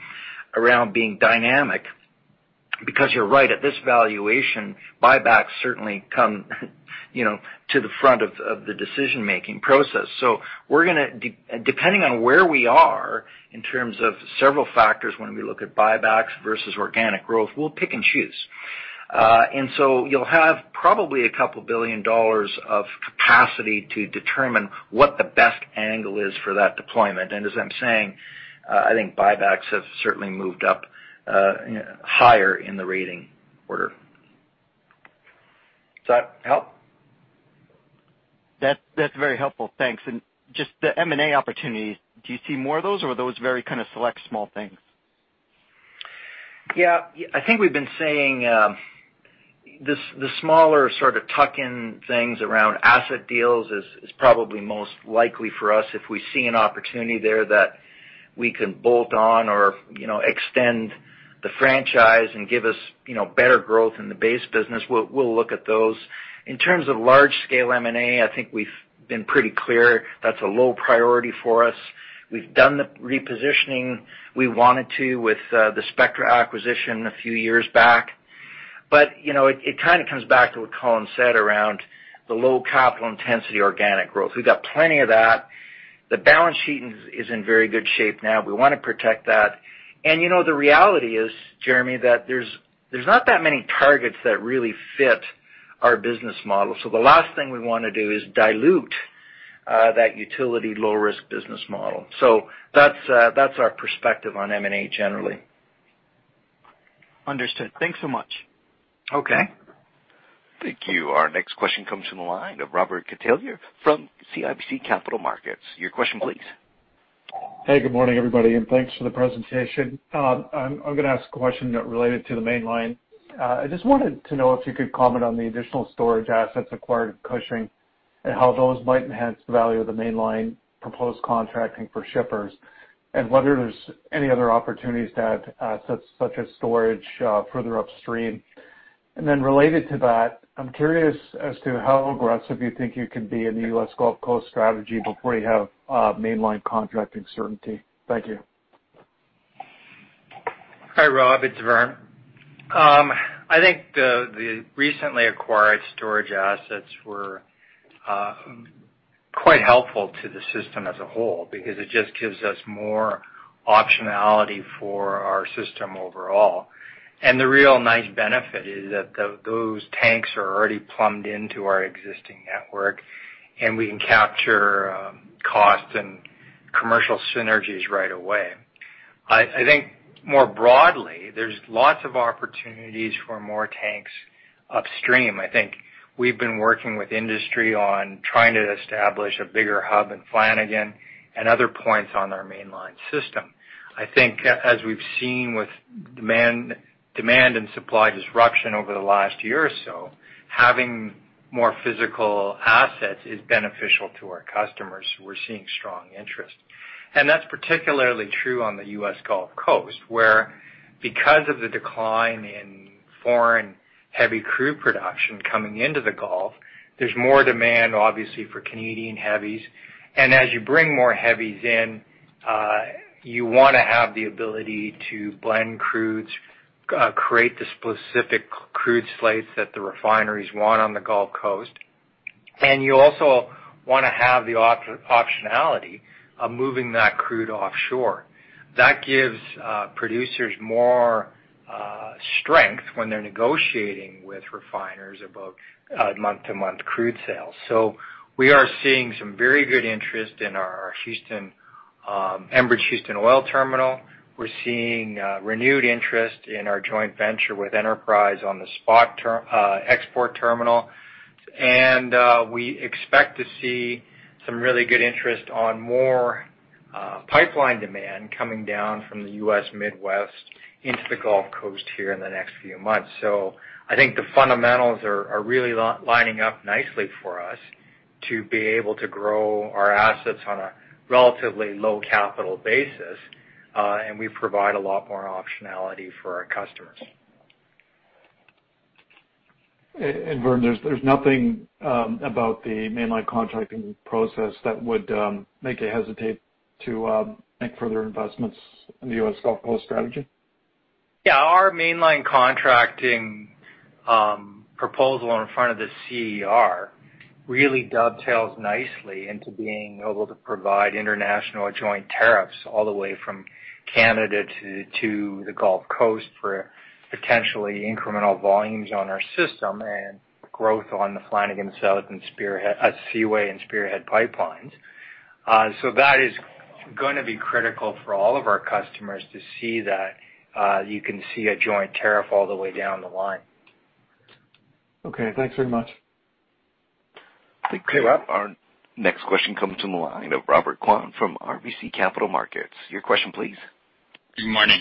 around being dynamic, because you're right, at this valuation, buybacks certainly come to the front of the decision-making process. Depending on where we are in terms of several factors when we look at buybacks versus organic growth, we'll pick and choose. You'll have probably a couple billion dollars of capacity to determine what the best angle is for that deployment. As I'm saying, I think buybacks have certainly moved up higher in the rating order. Does that help? That's very helpful. Thanks. Just the M&A opportunities, do you see more of those or are those very kind of select small things? Yeah. I think we've been saying the smaller sort of tuck-in things around asset deals is probably most likely for us if we see an opportunity there that we can bolt on or extend the franchise and give us better growth in the base business, we'll look at those. In terms of large-scale M&A, I think we've been pretty clear that's a low priority for us. We've done the repositioning we wanted to with the Spectra acquisition a few years back. It kind of comes back to what Colin said around the low capital intensity, organic growth. We've got plenty of that. The balance sheet is in very good shape now. We want to protect that. The reality is, Jeremy, that there's not that many targets that really fit our business model. The last thing we want to do is dilute that utility low-risk business model. That's our perspective on M&A generally. Understood. Thanks so much. Okay. Thank you. Our next question comes from the line of Robert Catellier from CIBC Capital Markets. Your question please. Hey, good morning, everybody, and thanks for the presentation. I'm going to ask a question related to the Mainline. I just wanted to know if you could comment on the additional storage assets acquired at Cushing and how those might enhance the value of the Mainline proposed contracting for shippers, and whether there's any other opportunities to add assets such as storage further upstream. Related to that, I'm curious as to how aggressive you think you can be in the U.S. Gulf Coast strategy before you have Mainline contracting certainty. Thank you. Hi, Robert, it's Vern. I think the recently acquired storage assets were quite helpful to the system as a whole because it just gives us more optionality for our system overall. The real nice benefit is that those tanks are already plumbed into our existing network, and we can capture cost and commercial synergies right away. I think more broadly, there's lots of opportunities for more tanks upstream. I think we've been working with industry on trying to establish a bigger hub in Flanagan and other points on our Mainline system. I think as we've seen with demand and supply disruption over the last year or so, having more physical assets is beneficial to our customers. We're seeing strong interest. That's particularly true on the U.S. Gulf Coast, where because of the decline in foreign heavy crude production coming into the Gulf, there's more demand, obviously, for Canadian heavies. As you bring more heavies in, you want to have the ability to blend crudes, create the specific crude slates that the refineries want on the Gulf Coast. You also want to have the optionality of moving that crude offshore. That gives producers more strength when they're negotiating with refiners about month-to-month crude sales. We are seeing some very good interest in our Enbridge Houston Oil Terminal. We're seeing renewed interest in our joint venture with Enterprise on the SPOT export terminal. We expect to see some really good interest on more pipeline demand coming down from the U.S. Midwest into the Gulf Coast here in the next few months. I think the fundamentals are really lining up nicely for us to be able to grow our assets on a relatively low capital basis, and we provide a lot more optionality for our customers. Vern, there's nothing about the mainline contracting process that would make you hesitate to make further investments in the U.S. Gulf Coast strategy? Yeah. Our mainline contracting proposal in front of the CER really dovetails nicely into being able to provide international joint tariffs all the way from Canada to the Gulf Coast for potentially incremental volumes on our system and growth on the Flanagan South and Seaway and Spearhead pipelines. That is going to be critical for all of our customers to see that you can see a joint tariff all the way down the line. Okay, thanks very much. Thank you. Okay, Rob. Our next question comes from the line of Robert Kwan from RBC Capital Markets. Your question, please. Good morning.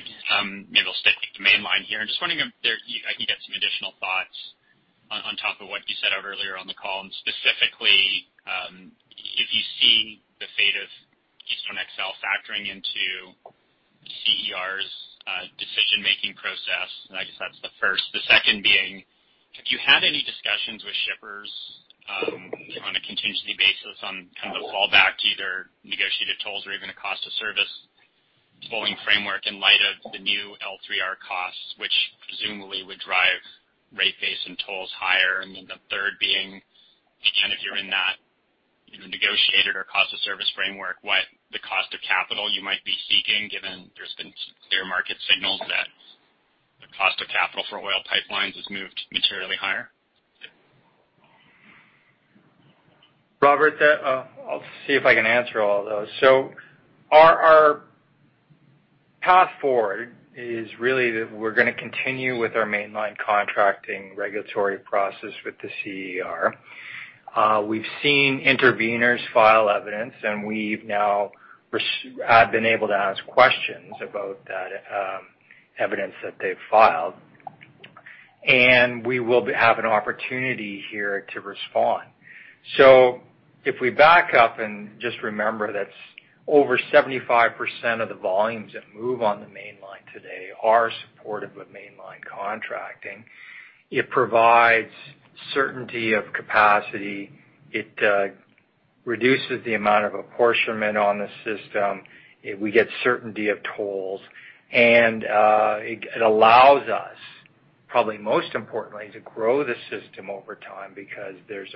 Maybe I'll stick to the Mainline here. I'm just wondering if I can get some additional thoughts on top of what you said earlier on the call. Specifically, if you see the fate of Keystone XL factoring into CER's decision-making process? I guess that's the first. The second being, have you had any discussions with shippers on a contingency basis on kind of a fallback to either negotiated tolls or even a cost-of-service tolling framework in light of the new L3R costs, which presumably would drive rate base and tolls higher? The third being, again, if you're in that negotiated or cost of service framework, what the cost of capital you might be seeking, given there's been clear market signals that the cost of capital for oil pipelines has moved materially higher? Robert, I'll see if I can answer all of those. Our path forward is really that we're going to continue with our mainline contracting regulatory process with the CER. We've seen interveners file evidence, and we've now been able to ask questions about that evidence that they've filed. We will have an opportunity here to respond. If we back up and just remember that over 75% of the volumes that move on the Mainline today are supportive of mainline contracting. It provides certainty of capacity. It reduces the amount of apportionment on the system. We get certainty of tolls. It allows us, probably most importantly, to grow the system over time because there's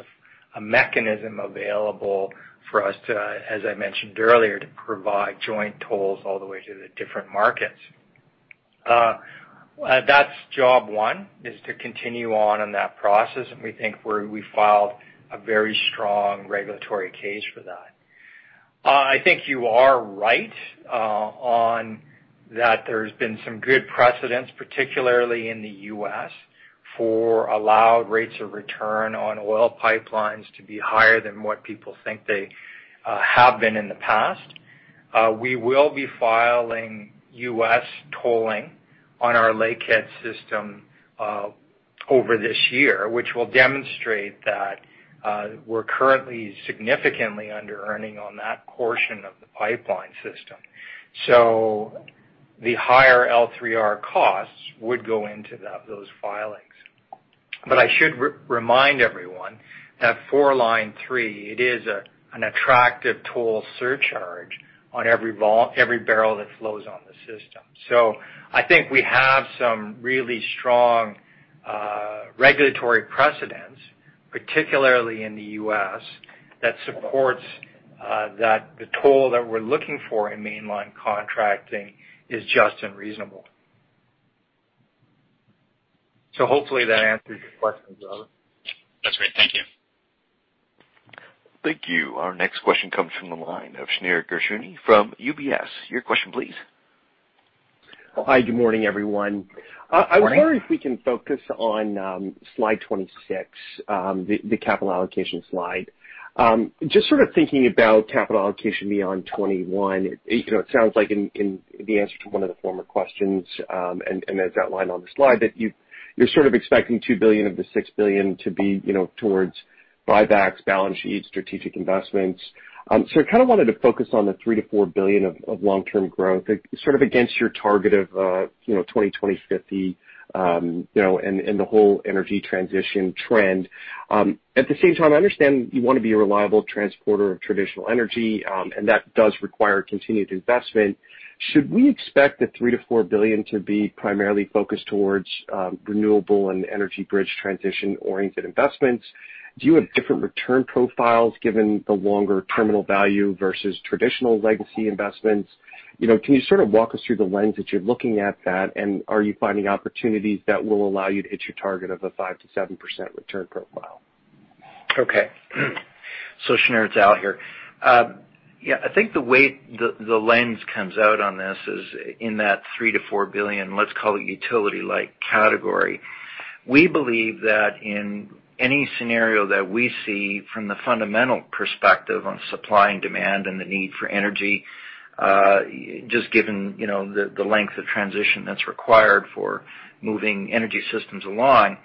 a mechanism available for us to, as I mentioned earlier, to provide joint tolls all the way to the different markets. That's job one, is to continue on in that process, and we think we filed a very strong regulatory case for that. I think you are right on that there's been some good precedents, particularly in the U.S., for allowed rates of return on oil pipelines to be higher than what people think they have been in the past. We will be filing U.S. tolling on our Lakehead system over this year, which will demonstrate that we're currently significantly under-earning on that portion of the pipeline system. The higher L3R costs would go into those filings. I should remind everyone that for Line 3, it is an attractive toll surcharge on every barrel that flows on the system. I think we have some really strong regulatory precedents, particularly in the U.S., that supports that the toll that we're looking for in mainline contracting is just and reasonable. Hopefully that answers your questions, Robert. That's great. Thank you. Thank you. Our next question comes from the line of Shneur Gershuni from UBS. Your question, please. Hi, good morning, everyone. Morning. I wonder if we can focus on slide 26, the capital allocation slide. Just sort of thinking about capital allocation beyond 2021. It sounds like in the answer to one of the former questions, and as outlined on the slide, that you're sort of expecting 2 billion of the 6 billion to be towards buybacks, balance sheets, strategic investments. I kind of wanted to focus on the 3 billion-4 billion of long-term growth, sort of against your target of 2050, and the whole energy transition trend. At the same time, I understand you want to be a reliable transporter of traditional energy, and that does require continued investment. Should we expect the 3 billion-4 billion to be primarily focused towards renewable and Enbridge transition-oriented investments? Do you have different return profiles given the longer terminal value versus traditional legacy investments? Can you sort of walk us through the lens that you're looking at that, and are you finding opportunities that will allow you to hit your target of a 5%-7% return profile? Okay. Shneur's out here. I think the way the lens comes out on this is in that 3 billion-4 billion, let's call it utility-like category. We believe that in any scenario that we see from the fundamental perspective on supply and demand and the need for energy, just given the length of transition that's required for moving energy systems along,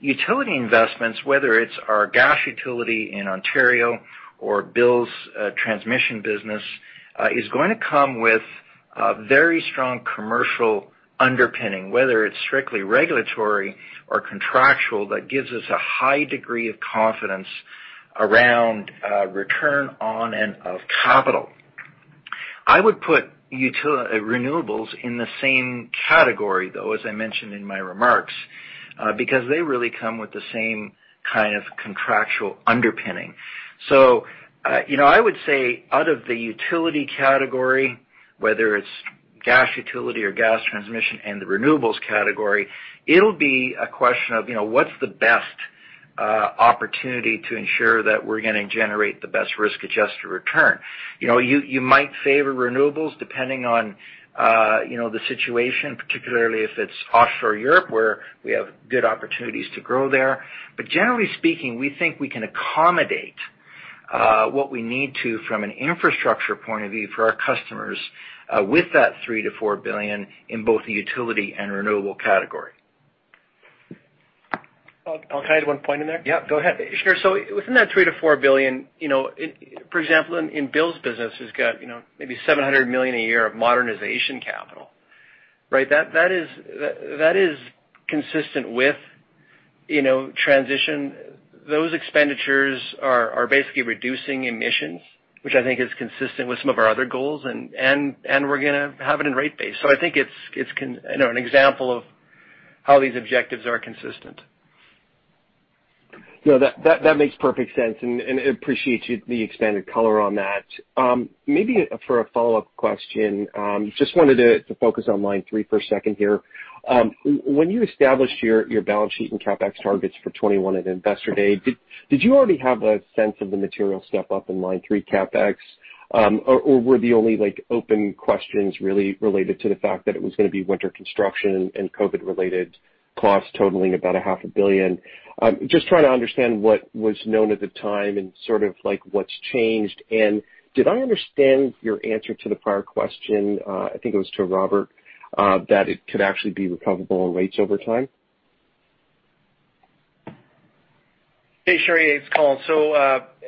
utility investments, whether it's our gas utility in Ontario or Bill's transmission business, is going to come with very strong commercial underpinning. Whether it's strictly regulatory or contractual, that gives us a high degree of confidence around return on and of capital. I would put renewables in the same category, though, as I mentioned in my remarks, because they really come with the same kind of contractual underpinning. I would say out of the utility category, whether it's gas utility or Gas Transmission and the renewables category, it'll be a question of what's the best opportunity to ensure that we're going to generate the best risk-adjusted return. You might favor renewables depending on the situation, particularly if it's offshore Europe, where we have good opportunities to grow there. Generally speaking, we think we can accommodate what we need to from an infrastructure point of view for our customers with that 3 billion-4 billion in both the utility and renewable category. I'll tie one point in there. Yeah, go ahead. Sure. Within that 3 billion-4 billion, for example, in Bill's business has got maybe 700 million a year of modernization capital, right? That is consistent with transition. Those expenditures are basically reducing emissions, which I think is consistent with some of our other goals, and we're going to have it in rate base. I think it's an example of how these objectives are consistent. That makes perfect sense, and appreciate the expanded color on that. Maybe for a follow-up question, just wanted to focus on Line 3 for a second here. When you established your balance sheet and CapEx targets for 2021 at Investor Day, did you already have a sense of the material step-up in Line 3 CapEx? Or were the only open questions really related to the fact that it was going to be winter construction and COVID-related costs totaling about a half a billion? Just trying to understand what was known at the time and sort of what's changed. And did I understand your answer to the prior question, I think it was to Robert, that it could actually be recoverable in rates over time? Hey, sure. It's Colin.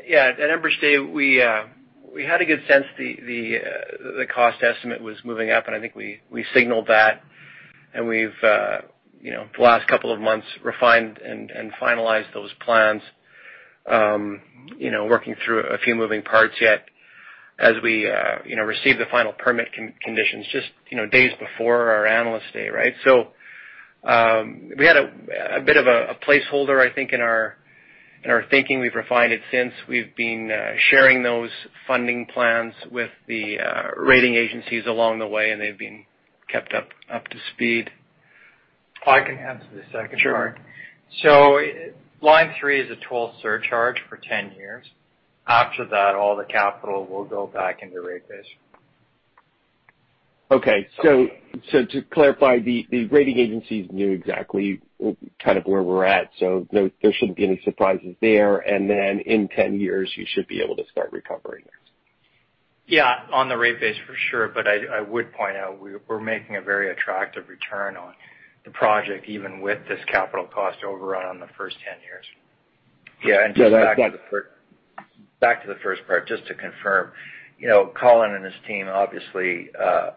Yeah. At Investor Day, we had a good sense the cost estimate was moving up, and I think we signaled that, and we've, the last couple of months, refined and finalized those plans. Working through a few moving parts yet as we receive the final permit conditions just days before our Analyst Day, right? We had a bit of a placeholder, I think, in our thinking. We've refined it since. We've been sharing those funding plans with the rating agencies along the way, and they've been kept up to speed. I can answer the second part. Sure. Line 3 is a toll surcharge for 10 years. After that, all the capital will go back into rate base. Okay. To clarify, the rating agencies knew exactly kind of where we're at, so there shouldn't be any surprises there. In 10 years, you should be able to start recovering this. Yeah. On the rate base, for sure. I would point out, we're making a very attractive return on the project, even with this capital cost overrun on the first 10 years. Yeah. Yeah. Back to the first part, just to confirm. Colin and his team obviously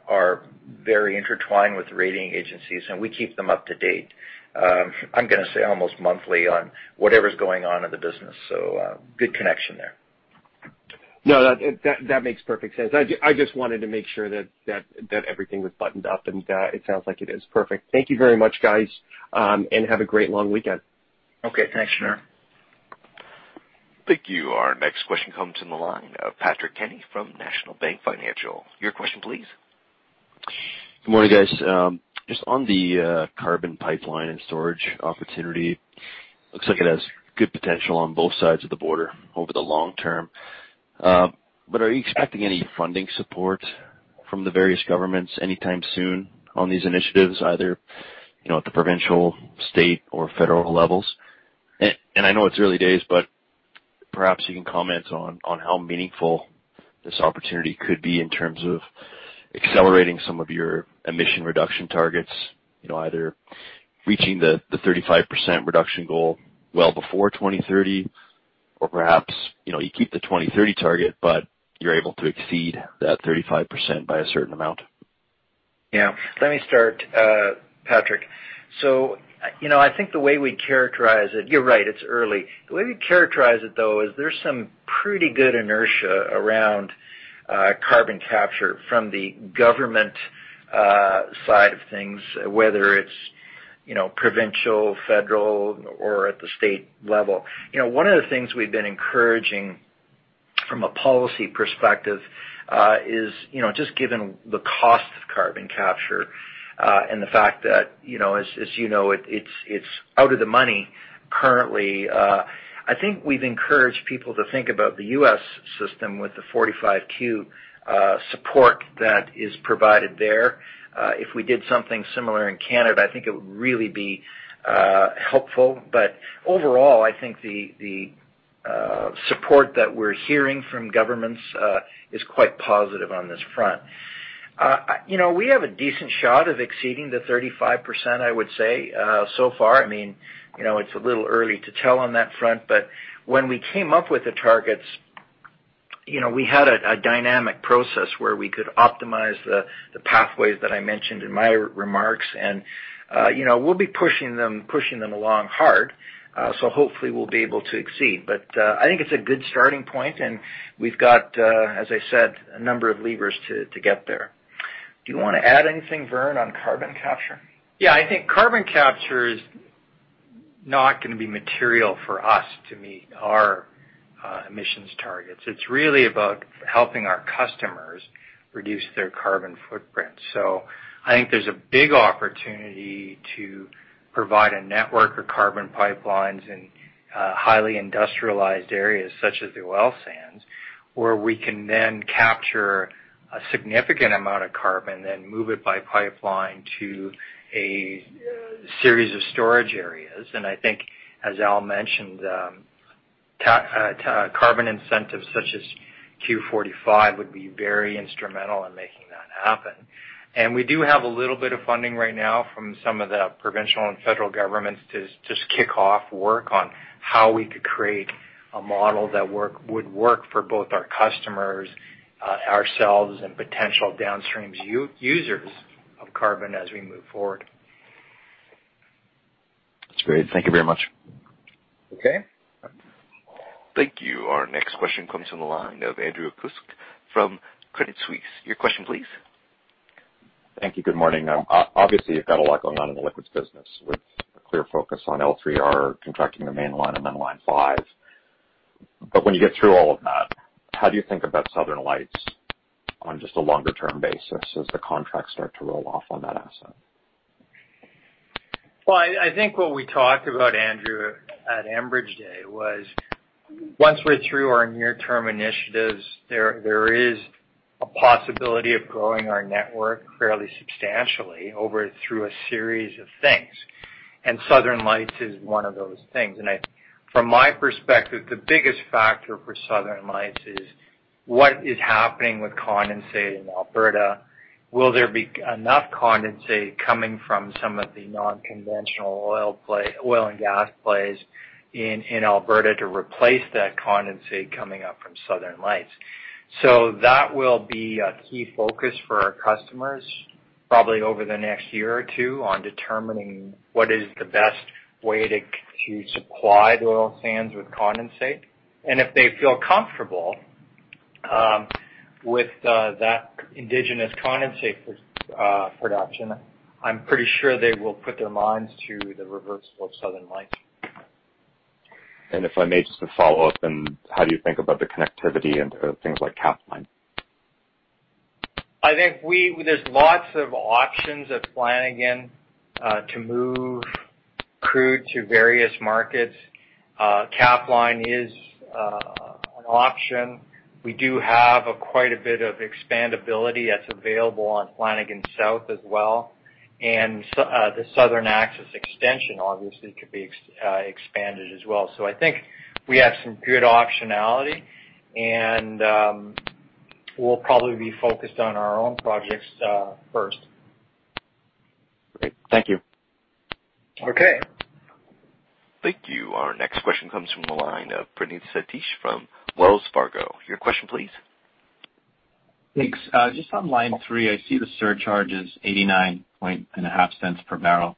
are very intertwined with the rating agencies, and we keep them up to date, I'm going to say almost monthly, on whatever's going on in the business. Good connection there. No, that makes perfect sense. I just wanted to make sure that everything was buttoned up, and it sounds like it is. Perfect. Thank you very much, guys, and have a great long weekend. Okay. Thanks, Shneur. Thank you. Our next question comes in the line of Patrick Kenny from National Bank Financial. Your question, please. Good morning, guys. Just on the carbon pipeline and storage opportunity, looks like it has good potential on both sides of the border over the long term. Are you expecting any funding support from the various governments anytime soon on these initiatives, either at the provincial, state, or federal levels? I know it's early days, but perhaps you can comment on how meaningful this opportunity could be in terms of accelerating some of your emission reduction targets, either reaching the 35% reduction goal well before 2030 or perhaps, you keep the 2030 target, but you're able to exceed that 35% by a certain amount. Let me start, Patrick. I think the way we characterize it, you're right, it's early. The way we characterize it, though, is there's some pretty good inertia around carbon capture from the government side of things, whether it's provincial, federal, or at the state level. One of the things we've been encouraging from a policy perspective, just given the cost of carbon capture, and the fact that, as you know, it's out of the money currently. I think we've encouraged people to think about the U.S. system with the 45Q support that is provided there. If we did something similar in Canada, I think it would really be helpful. Overall, I think the support that we're hearing from governments is quite positive on this front. We have a decent shot of exceeding the 35%, I would say, so far. It's a little early to tell on that front, but when we came up with the targets, we had a dynamic process where we could optimize the pathways that I mentioned in my remarks. We'll be pushing them along hard, so hopefully we'll be able to exceed. I think it's a good starting point, and we've got, as I said, a number of levers to get there. Do you want to add anything, Vern, on carbon capture? Yeah, I think carbon capture is not going to be material for us to meet our emissions targets. It's really about helping our customers reduce their carbon footprint. I think there's a big opportunity to provide a network of carbon pipelines in highly industrialized areas, such as the oil sands, where we can then capture a significant amount of carbon, then move it by pipeline to a series of storage areas. I think, as Al mentioned, carbon incentives such as 45Q would be very instrumental in making that happen. We do have a little bit of funding right now from some of the provincial and federal governments to just kick off work on how we could create a model that would work for both our customers, ourselves, and potential downstream users of carbon as we move forward. That's great. Thank you very much. Okay. Thank you. Our next question comes from the line of Andrew Kuske from Credit Suisse. Your question, please. Thank you. Good morning. Obviously, you've got a lot going on in the Liquids Pipelines business with a clear focus on L3R, contracting the Mainline, and then Line 5. When you get through all of that, how do you think about Southern Lights on just a longer-term basis as the contracts start to roll off on that asset? I think what we talked about, Andrew, at Enbridge Day was once we're through our near-term initiatives, there is a possibility of growing our network fairly substantially through a series of things, and Southern Lights is one of those things. From my perspective, the biggest factor for Southern Lights is what is happening with condensate in Alberta. Will there be enough condensate coming from some of the non-conventional oil and gas plays in Alberta to replace that condensate coming up from Southern Lights? That will be a key focus for our customers, probably over the next year or two, on determining what is the best way to supply the oil sands with condensate. If they feel comfortable with that indigenous condensate production, I'm pretty sure they will put their minds to the reversal of Southern Lights. If I may, just to follow up, and how do you think about the connectivity and things like Capline? I think there's lots of options at Flanagan to move crude to various markets. Capline is an option. We do have quite a bit of expandability that's available on Flanagan South as well, and the Southern Access Extension obviously could be expanded as well. I think we have some good optionality, and we'll probably be focused on our own projects first. Great. Thank you. Okay. Thank you. Our next question comes from the line of Praneeth Satish from Wells Fargo. Your question, please. Thanks. Just on Line 3, I see the surcharge is 89.05/bbl.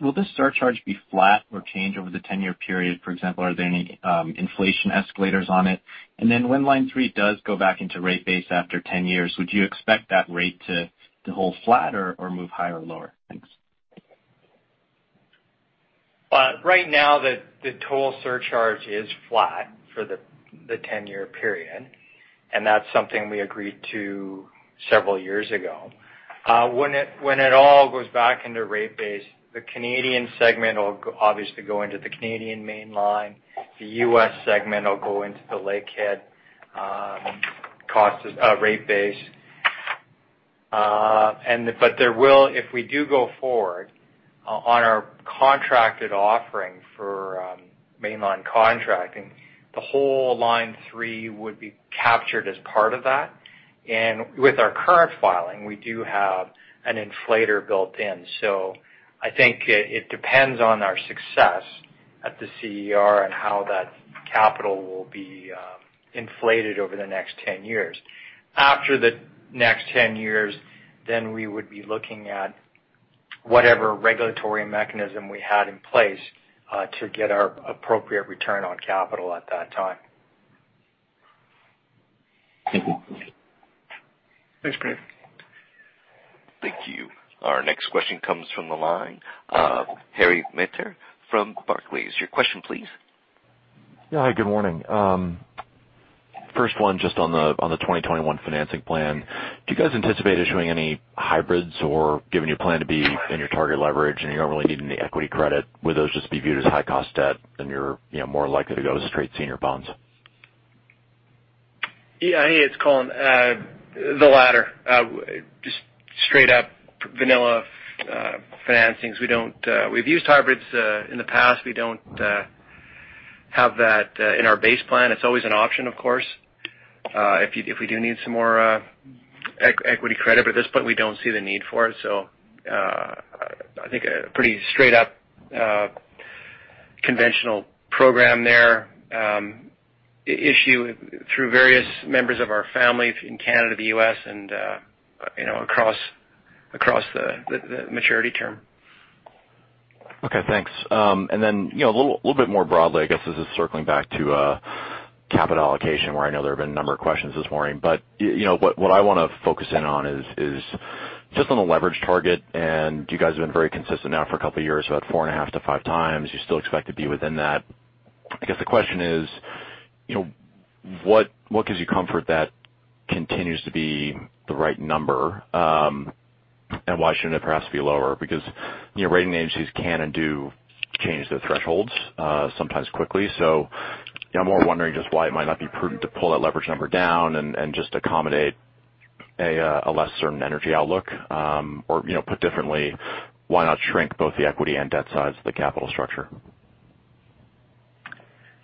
Will this surcharge be flat or change over the 10-year period? For example, are there any inflation escalators on it? When Line 3 does go back into rate base after 10 years, would you expect that rate to hold flat or move higher or lower? Thanks. Right now, the toll surcharge is flat for the 10-year period. That's something we agreed to several years ago. When it all goes back into rate base, the Canadian segment will obviously go into the Canadian Mainline. The U.S. segment will go into the Lakehead rate base. If we do go forward on our contracted offering for mainline contracting, the whole Line 3 would be captured as part of that. With our current filing, we do have an inflator built in. I think it depends on our success at the CER and how that capital will be inflated over the next 10 years. After the next 10 years, then we would be looking at whatever regulatory mechanism we had in place to get our appropriate return on capital at that time. Thank you. Thanks, Praneeth. Next question comes from the line of Harry Mateer from Barclays. Your question, please. Yeah. Hi, good morning. First one just on the 2021 financing plan. Do you guys anticipate issuing any hybrids or giving your plan to be in your target leverage and you don't really need any equity credit? Would those just be viewed as high-cost debt and you're more likely to go to straight senior bonds? Yeah, hey, it's Colin. The latter. Just straight up vanilla financings. We've used hybrids in the past. We don't have that in our base plan. It's always an option, of course, if we do need some more equity credit, but at this point, we don't see the need for it. I think a pretty straight up conventional program there. Issue through various members of our family in Canada, the U.S., and across the maturity term. Okay, thanks. A little bit more broadly, I guess this is circling back to capital allocation, where I know there have been a number of questions this morning. What I want to focus in on is just on the leverage target, and you guys have been very consistent now for a couple of years, about 4.5x-5x. You still expect to be within that. I guess the question is, what gives you comfort that continues to be the right number? Why shouldn't it perhaps be lower? Rating agencies can and do change their thresholds, sometimes quickly. I'm more wondering just why it might not be prudent to pull that leverage number down and just accommodate a less certain energy outlook. Put differently, why not shrink both the equity and debt sides of the capital structure?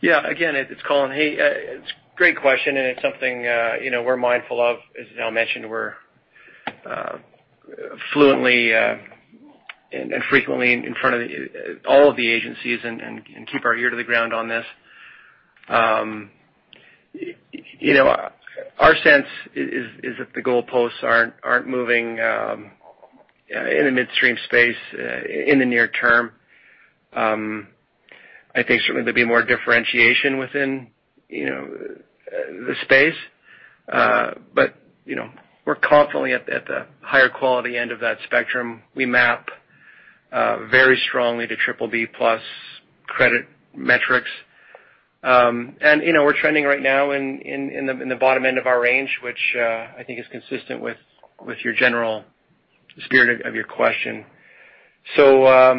Again, it's Colin. Hey, it's a great question, and it's something we're mindful of. As Al mentioned, we're fluently and frequently in front of all of the agencies and keep our ear to the ground on this. Our sense is that the goalposts aren't moving in a midstream space in the near term. I think certainly there'll be more differentiation within the space. We're constantly at the higher quality end of that spectrum. We map very strongly to BBB+ credit metrics. We're trending right now in the bottom end of our range, which I think is consistent with your general spirit of your question. We're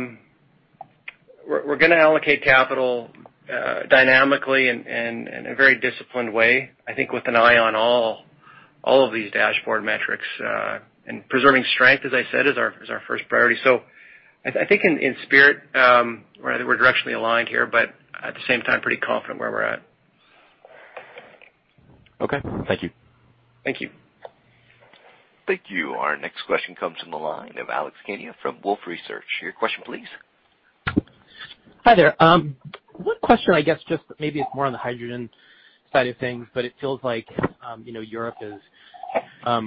going to allocate capital dynamically and in a very disciplined way, I think with an eye on all of these dashboard metrics. Preserving strength, as I said, is our first priority. I think in spirit, we're directionally aligned here, but at the same time, pretty confident where we're at. Okay. Thank you. Thank you. Thank you. Our next question comes from the line of Alex Kania from Wolfe Research. Your question, please. Hi there. One question, I guess just maybe it's more on the hydrogen side of things, but it feels like Europe is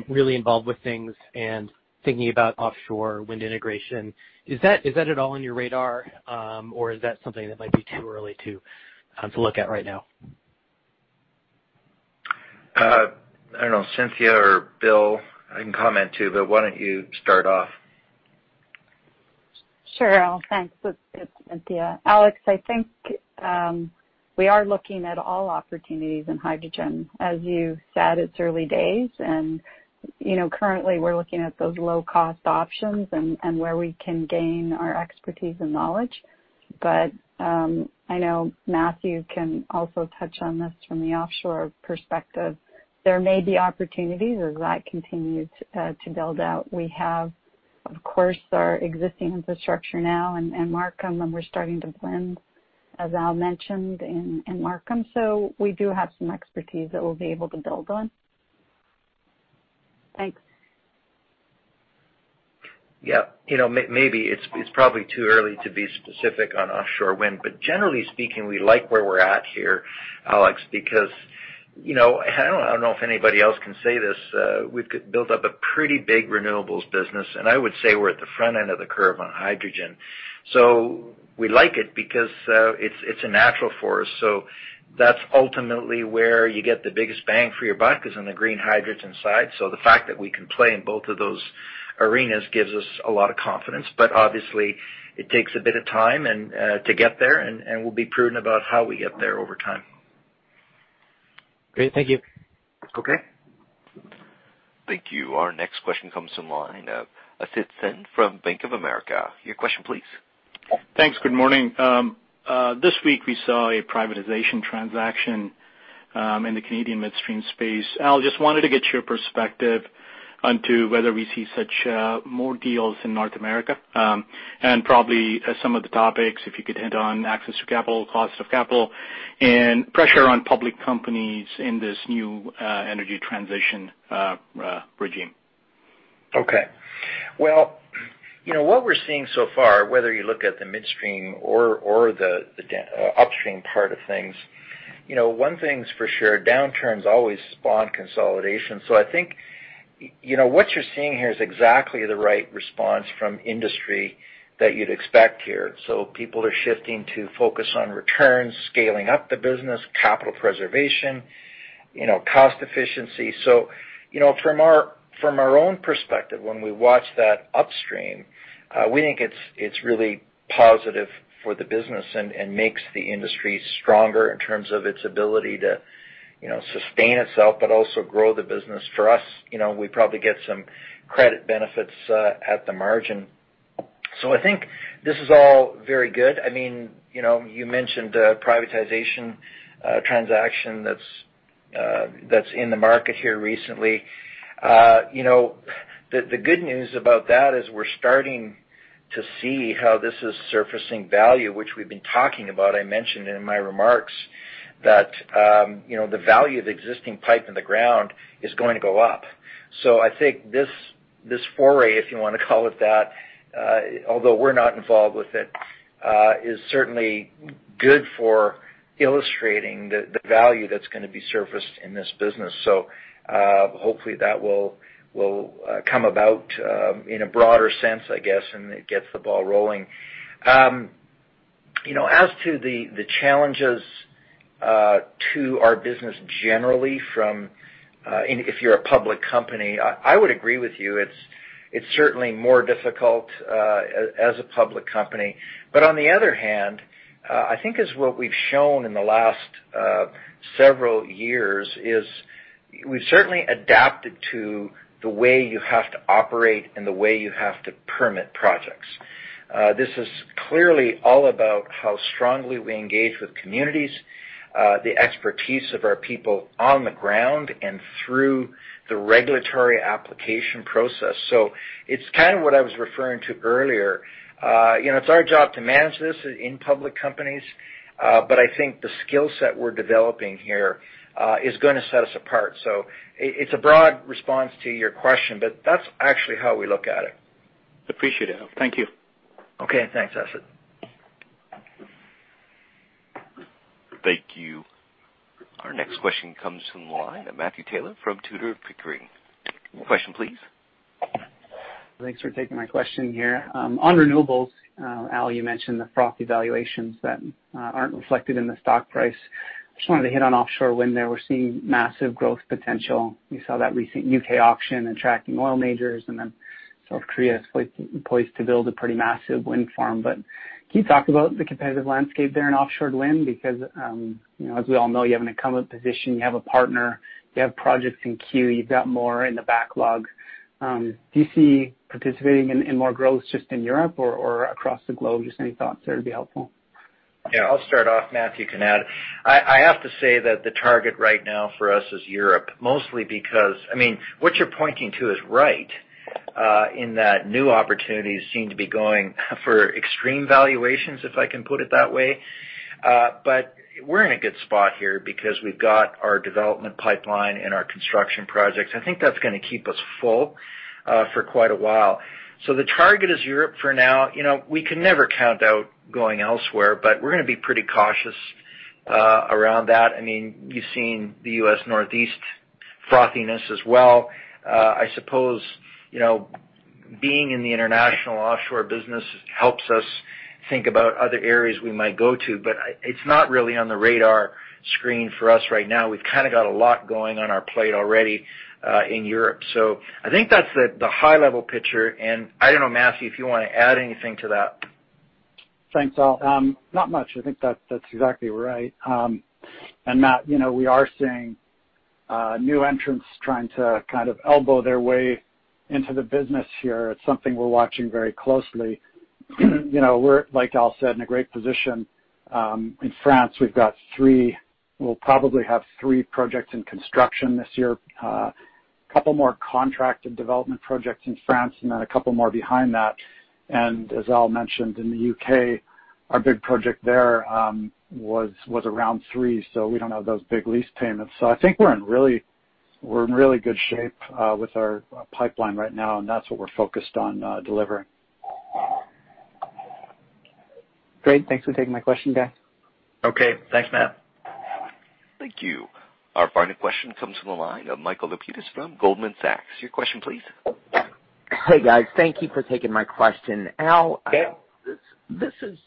really involved with things and thinking about offshore wind integration. Is that at all on your radar? Is that something that might be too early to look at right now? I don't know, Cynthia or Bill, I can comment too, but why don't you start off? Sure. Al, thanks. It's Cynthia. Alex, I think we are looking at all opportunities in hydrogen. As you said, it's early days and currently we're looking at those low-cost options and where we can gain our expertise and knowledge. I know Matthew can also touch on this from the offshore perspective. There may be opportunities as that continues to build out. We have, of course, our existing infrastructure now in Markham, and we're starting to blend, as Al mentioned, in Markham. We do have some expertise that we'll be able to build on Thanks. Yeah. Maybe it's probably too early to be specific on offshore wind, but generally speaking, we like where we're at here, Alex Kania, because I don't know if anybody else can say this, we've built up a pretty big renewables business, and I would say we're at the front end of the curve on hydrogen. We like it because it's a natural for us. That's ultimately where you get the biggest bang for your buck is in the green hydrogen side. The fact that we can play in both of those arenas gives us a lot of confidence. Obviously it takes a bit of time to get there, and we'll be prudent about how we get there over time. Great. Thank you. Okay. Thank you. Our next question comes from the line of Asit Sen from Bank of America. Your question, please. Thanks. Good morning. This week we saw a privatization transaction in the Canadian midstream space. Al, just wanted to get your perspective onto whether we see such more deals in North America. Probably some of the topics, if you could hit on access to capital, cost of capital, and pressure on public companies in this new energy transition regime. Okay. Well, what we're seeing so far, whether you look at the midstream or the upstream part of things, one thing's for sure, downturns always spawn consolidation. I think what you're seeing here is exactly the right response from industry that you'd expect here. People are shifting to focus on returns, scaling up the business, capital preservation. Cost efficiency. From our own perspective, when we watch that upstream, we think it's really positive for the business and makes the industry stronger in terms of its ability to sustain itself, but also grow the business. For us, we probably get some credit benefits at the margin. I think this is all very good. You mentioned a privatization transaction that's in the market here recently. The good news about that is we're starting to see how this is surfacing value, which we've been talking about. I mentioned in my remarks that the value of existing pipe in the ground is going to go up. I think this foray, if you want to call it that, although we're not involved with it, is certainly good for illustrating the value that's going to be surfaced in this business. Hopefully, that will come about in a broader sense, I guess, and it gets the ball rolling. As to the challenges to our business generally from If you're a public company, I would agree with you. It's certainly more difficult as a public company. On the other hand, I think as what we've shown in the last several years is we've certainly adapted to the way you have to operate and the way you have to permit projects. This is clearly all about how strongly we engage with communities, the expertise of our people on the ground, and through the regulatory application process. It's kind of what I was referring to earlier. It's our job to manage this in public companies. I think the skill set we're developing here is going to set us apart. It's a broad response to your question, but that's actually how we look at it. Appreciate it, Al. Thank you. Okay. Thanks, Asit. Thank you. Our next question comes from the line of Matthew Taylor from Tudor, Pickering. Question, please. Thanks for taking my question here. On renewables, Al, you mentioned the frothy valuations that aren't reflected in the stock price. Just wanted to hit on offshore wind there. We're seeing massive growth potential. We saw that recent U.K. auction attracting oil majors. South Korea is poised to build a pretty massive wind farm. Can you talk about the competitive landscape there in offshore wind? As we all know, you have an incumbent position, you have a partner, you have projects in queue, you've got more in the backlog. Do you see participating in more growth just in Europe or across the globe? Just any thoughts there would be helpful. I'll start off, Matt. You can add. I have to say that the target right now for us is Europe, mostly because what you're pointing to is right, in that new opportunities seem to be going for extreme valuations, if I can put it that way. We're in a good spot here because we've got our development pipeline and our construction projects. I think that's going to keep us full for quite a while. The target is Europe for now. We can never count out going elsewhere, but we're going to be pretty cautious around that. You've seen the U.S. Northeast frothiness as well. I suppose, being in the international offshore business helps us think about other areas we might go to, but it's not really on the radar screen for us right now. We've kind of got a lot going on our plate already in Europe. I think that's the high-level picture, and I don't know, Matthew, if you want to add anything to that. Thanks, Al. Not much. I think that's exactly right. Matt, we are seeing new entrants trying to kind of elbow their way into the business here. It's something we're watching very closely. We're, like Al said, in a great position. In France, we'll probably have three projects in construction this year. A couple more contracted development projects in France, then a couple more behind that. As Al mentioned, in the U.K., our big project there was around three, we don't have those big lease payments. I think we're in really good shape with our pipeline right now, that's what we're focused on delivering. Great. Thanks for taking my question, guys. Okay. Thanks, Matt. Thank you. Our final question comes from the line of Michael Lapides from Goldman Sachs. Your question please. Hey, guys. Thank you for taking my question. Yeah this is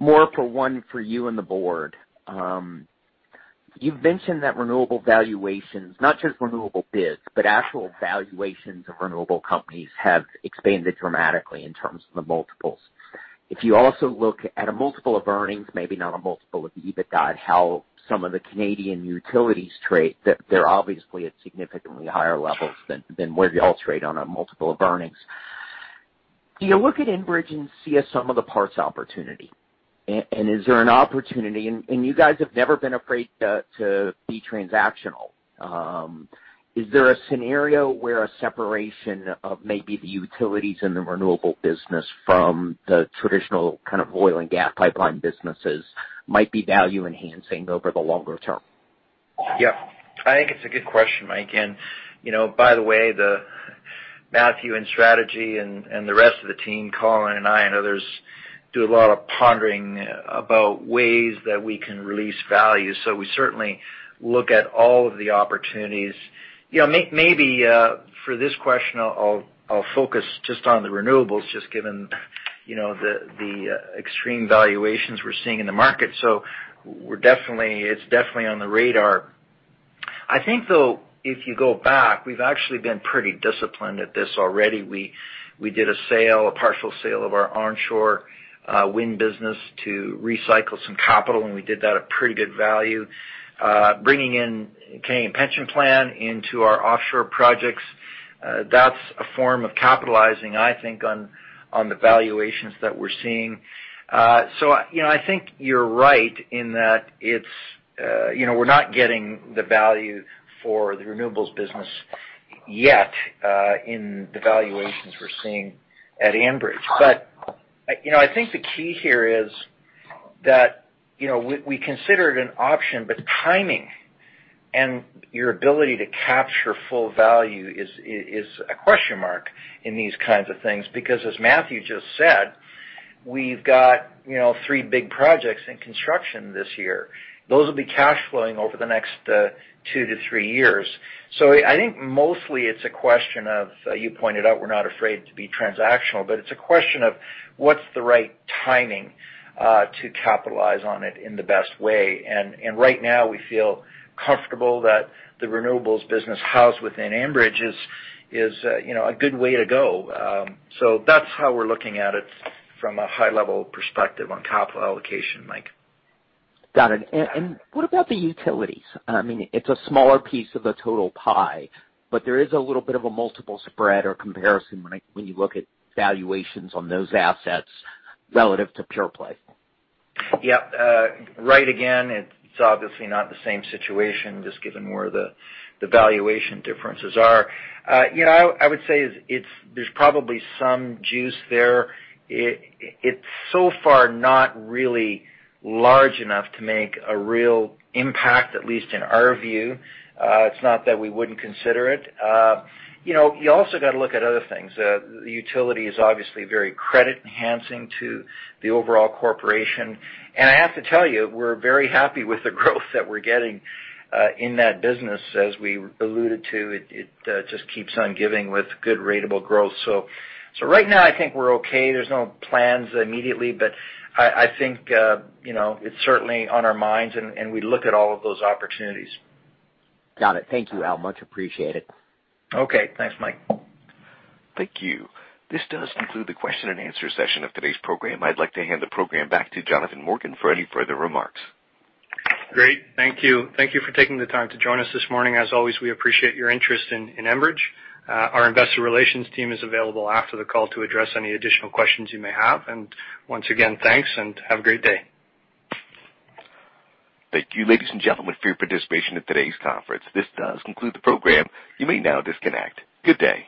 more for one for you and the board. You've mentioned that renewable valuations, not just renewable bids, but actual valuations of renewable companies have expanded dramatically in terms of the multiples. If you also look at a multiple of earnings, maybe not a multiple of EBITDA, and how some of the Canadian utilities trade, they're obviously at significantly higher levels than where you all trade on a multiple of earnings. Do you look at Enbridge and see a sum-of-the-parts opportunity? Is there an opportunity, and you guys have never been afraid to be transactional. Is there a scenario where a separation of maybe the utilities and the renewable business from the traditional kind of oil and gas pipeline businesses might be value-enhancing over the longer term? I think it's a good question, Mike. By the way, Matthew and strategy and the rest of the team, Colin and I and others, do a lot of pondering about ways that we can release value. We certainly look at all of the opportunities. Maybe for this question, I'll focus just on the renewables, just given the extreme valuations we're seeing in the market. It's definitely on the radar. I think, though, if you go back, we've actually been pretty disciplined at this already. We did a partial sale of our onshore wind business to recycle some capital, and we did that at pretty good value. Bringing in Canada Pension Plan into our offshore projects, that's a form of capitalizing, I think, on the valuations that we're seeing. I think you're right in that we're not getting the value for the renewables business yet in the valuations we're seeing at Enbridge. I think the key here is that we considered an option, but timing and your ability to capture full value is a question mark in these kinds of things. As Matthew just said, we've got three big projects in construction this year. Those will be cash flowing over the next two to three years. I think mostly it's a question of, you pointed out, we're not afraid to be transactional, but it's a question of what's the right timing to capitalize on it in the best way. Right now we feel comfortable that the renewables business housed within Enbridge is a good way to go. That's how we're looking at it from a high-level perspective on capital allocation, Mike. Got it. What about the utilities? It's a smaller piece of the total pie, but there is a little bit of a multiple spread or comparison when you look at valuations on those assets relative to pure play. Yeah. Right, again, it's obviously not the same situation, just given where the valuation differences are. I would say there's probably some juice there. It's so far not really large enough to make a real impact, at least in our view. It's not that we wouldn't consider it. You also got to look at other things. The utility is obviously very credit-enhancing to the overall corporation. I have to tell you, we're very happy with the growth that we're getting in that business. As we alluded to, it just keeps on giving with good ratable growth. Right now, I think we're okay. There's no plans immediately, but I think it's certainly on our minds, and we look at all of those opportunities. Got it. Thank you, Al. Much appreciated. Okay. Thanks, Mike. Thank you. This does conclude the question and answer session of today's program. I'd like to hand the program back to Jonathan Morgan for any further remarks. Great. Thank you. Thank you for taking the time to join us this morning. As always, we appreciate your interest in Enbridge. Our investor relations team is available after the call to address any additional questions you may have. Once again, thanks and have a great day. Thank you, ladies and gentlemen, for your participation in today's conference. This does conclude the program. You may now disconnect. Good day.